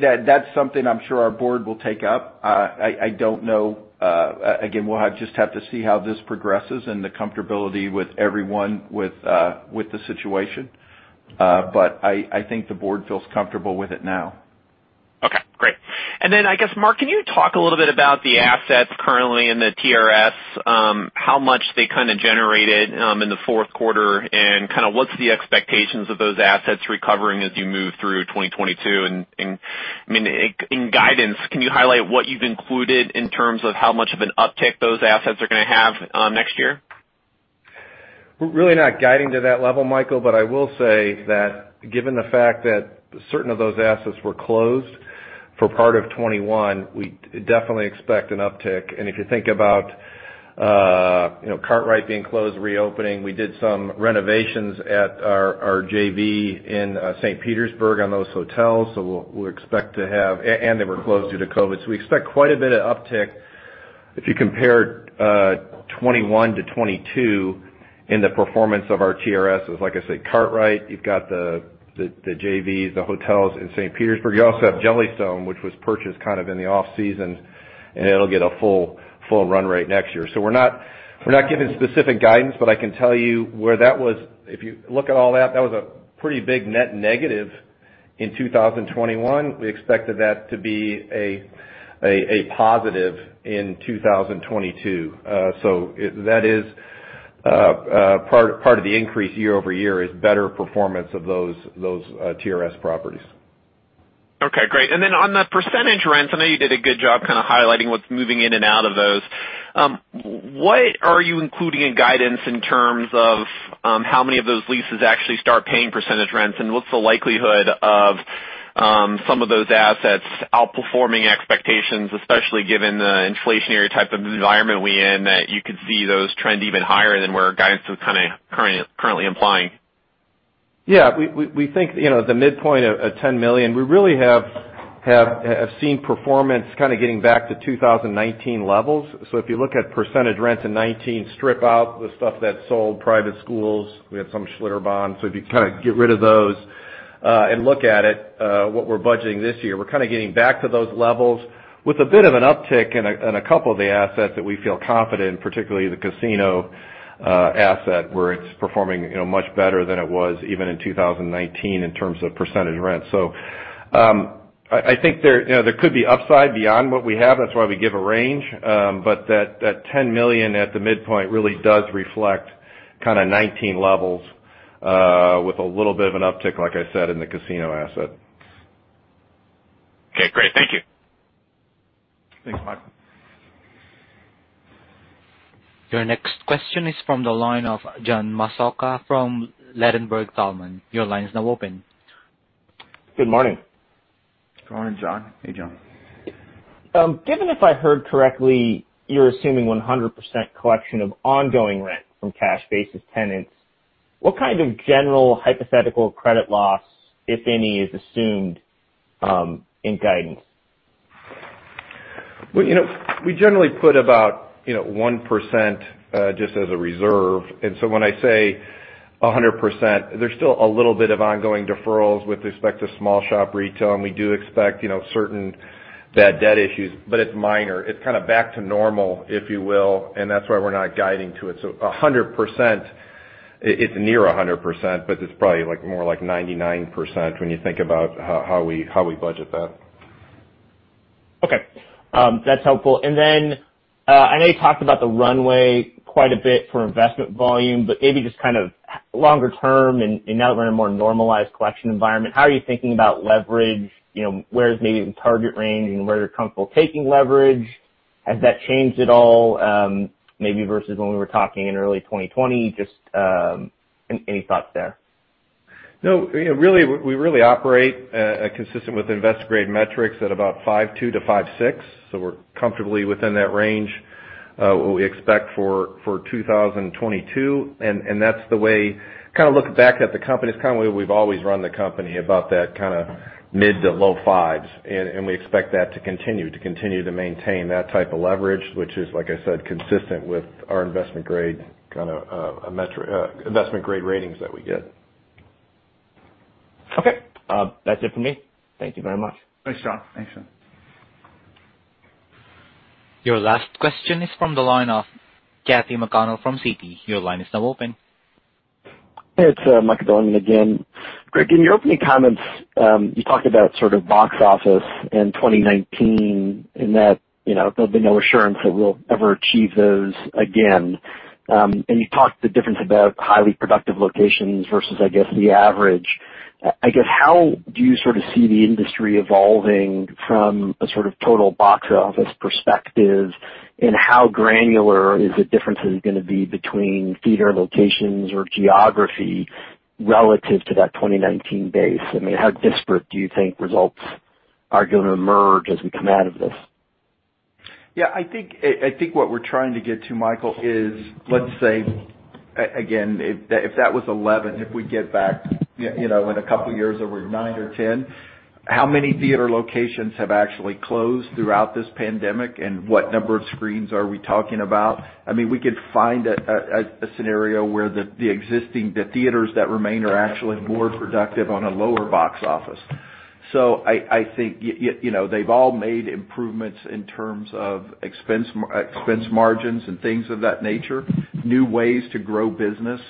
that's something I'm sure our board will take up. I don't know. Again, we'll just have to see how this progresses and the comfortability with everyone with the situation. I think the board feels comfortable with it now. Okay, great. I guess, Mark, can you talk a little bit about the assets currently in the TRS, how much they kinda generated in the fourth quarter, and kinda what's the expectations of those assets recovering as you move through 2022? I mean, in guidance, can you highlight what you've included in terms of how much of an uptick those assets are gonna have next year? We're really not guiding to that level, Michael, but I will say that given the fact that certain of those assets were closed for part of 2021, we definitely expect an uptick. If you think about Kartrite being closed, reopening, we did some renovations at our JV in St. Petersburg on those hotels, and they were closed due to COVID. We expect quite a bit of uptick if you compare 2021 to 2022 in the performance of our TRS. Like I said, Kartrite, you've got the JVs, the hotels in St. Petersburg. You also have Jellystone, which was purchased kind of in the off-season, and it'll get a full run rate next year. We're not giving specific guidance, but I can tell you where that was. If you look at all that was a pretty big net negative in 2021. We expected that to be a positive in 2022. That is part of the increase year-over-year is better performance of those TRS properties. Okay, great. On the percentage rents, I know you did a good job kind of highlighting what's moving in and out of those. What are you including in guidance in terms of how many of those leases actually start paying percentage rents, and what's the likelihood of some of those assets outperforming expectations, especially given the inflationary type of environment we're in, that you could see those trend even higher than where guidance was kinda currently implying? Yeah, we think, you know, the midpoint of $10 million, we really have seen performance kind of getting back to 2019 levels. If you look at percentage rents in 2019, strip out the stuff that sold, private schools, we had some Schlitterbahn. If you kind of get rid of those and look at it, what we're budgeting this year, we're kind of getting back to those levels with a bit of an uptick in a couple of the assets that we feel confident, particularly the casino asset, where it's performing, you know, much better than it was even in 2019 in terms of percentage rent. I think there, you know, there could be upside beyond what we have. That's why we give a range. That $10 million at the midpoint really does reflect kind of 19 levels, with a little bit of an uptick, like I said, in the casino asset. Okay, great. Thank you. Thanks, Michael. Your next question is from the line of John Massocca from Ladenburg Thalmann. Your line is now open. Good morning. Good morning, John. Hey, John. Given if I heard correctly, you're assuming 100% collection of ongoing rent from cash basis tenants. What kind of general hypothetical credit loss, if any, is assumed in guidance? Well, you know, we generally put about, you know, 1%, just as a reserve. When I say 100%, there's still a little bit of ongoing deferrals with respect to small shop retail, and we do expect, you know, certain bad debt issues, but it's minor. It's kind of back to normal, if you will, and that's why we're not guiding to it. A hundred percent, it's near a hundred percent, but it's probably like more like 99% when you think about how we budget that. Okay. That's helpful. Then, I know you talked about the runway quite a bit for investment volume, but maybe just kind of longer term, and now we're in a more normalized collection environment, how are you thinking about leverage? You know, where is maybe the target range and where you're comfortable taking leverage? Has that changed at all, maybe versus when we were talking in early 2020? Just, any thoughts there? No. You know, really, we really operate consistent with investment grade metrics at about 5.2-5.6. We're comfortably within that range, what we expect for 2022. That's the way kind of looking back at the company, it's kind of the way we've always run the company about that kind of mid to low fives. We expect that to continue to maintain that type of leverage, which is, like I said, consistent with our investment grade kind of metric, investment grade ratings that we get. Okay. That's it for me. Thank you very much. Thanks, John. Your last question is from the line of Katy McConnell from Citi. Your line is now open. It's Michael Bilerman again. Greg, in your opening comments, you talked about sort of box office in 2019 and that, you know, there'll be no assurance that we'll ever achieve those again. You talked about the difference about highly productive locations versus, I guess, the average. I guess, how do you sort of see the industry evolving from a sort of total box office perspective? How granular is the differences gonna be between theater locations or geography relative to that 2019 base? I mean, how disparate do you think results are gonna emerge as we come out of this? I think what we're trying to get to, Michael, is, let's say, again, if that was 11, if we get back, you know, in a couple of years, are we 9 or 10? How many theater locations have actually closed throughout this pandemic, and what number of screens are we talking about? I mean, we could find a scenario where the existing theaters that remain are actually more productive on a lower box office. I think you know, they've all made improvements in terms of expense margins and things of that nature, new ways to grow business.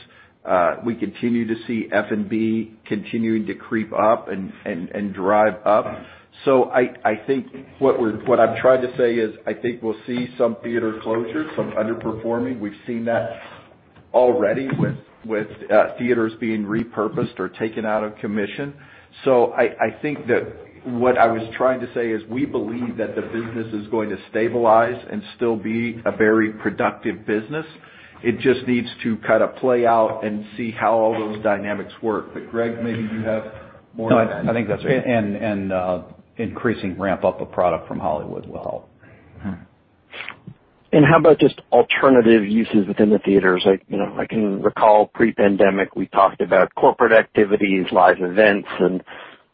We continue to see F&B continuing to creep up and drive up. I think what I'm trying to say is I think we'll see some theater closures, some underperforming. We've seen that already with theaters being repurposed or taken out of commission. I think that what I was trying to say is we believe that the business is going to stabilize and still be a very productive business. It just needs to kind of play out and see how all those dynamics work. Greg, maybe you have more. No, I think that's it. Increasing ramp up of product from Hollywood will help. Mm-hmm. How about just alternative uses within the theaters? I, you know, I can recall pre-pandemic, we talked about corporate activities, live events, and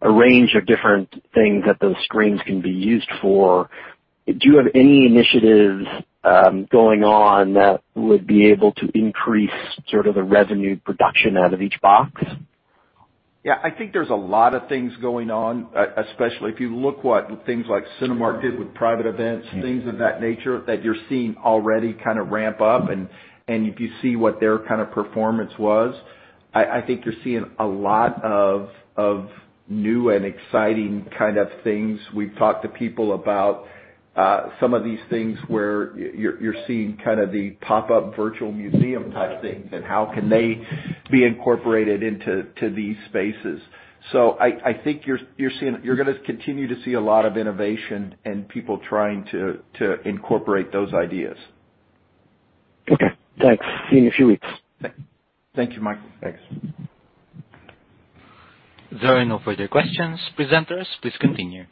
a range of different things that those screens can be used for. Do you have any initiatives going on that would be able to increase sort of the revenue production out of each box? Yeah. I think there's a lot of things going on, especially if you look what things like Cinemark did with private events, things of that nature that you're seeing already kind of ramp up. If you see what their kind of performance was, I think you're seeing a lot of new and exciting kind of things. We've talked to people about some of these things where you're seeing kind of the pop-up virtual museum type thing, and how can they be incorporated into these spaces. I think you're gonna continue to see a lot of innovation and people trying to incorporate those ideas. Okay. Thanks. See you in a few weeks. Thank you, Michael. Thanks. There are no further questions. Presenters, please continue.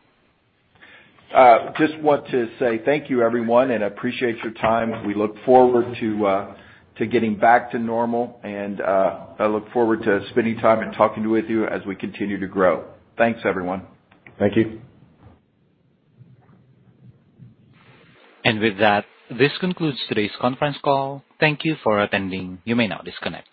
I just want to say thank you, everyone, and appreciate your time. We look forward to getting back to normal and I look forward to spending time and talking with you as we continue to grow. Thanks, everyone. Thank you. With that, this concludes today's conference call. Thank you for attending. You may now disconnect.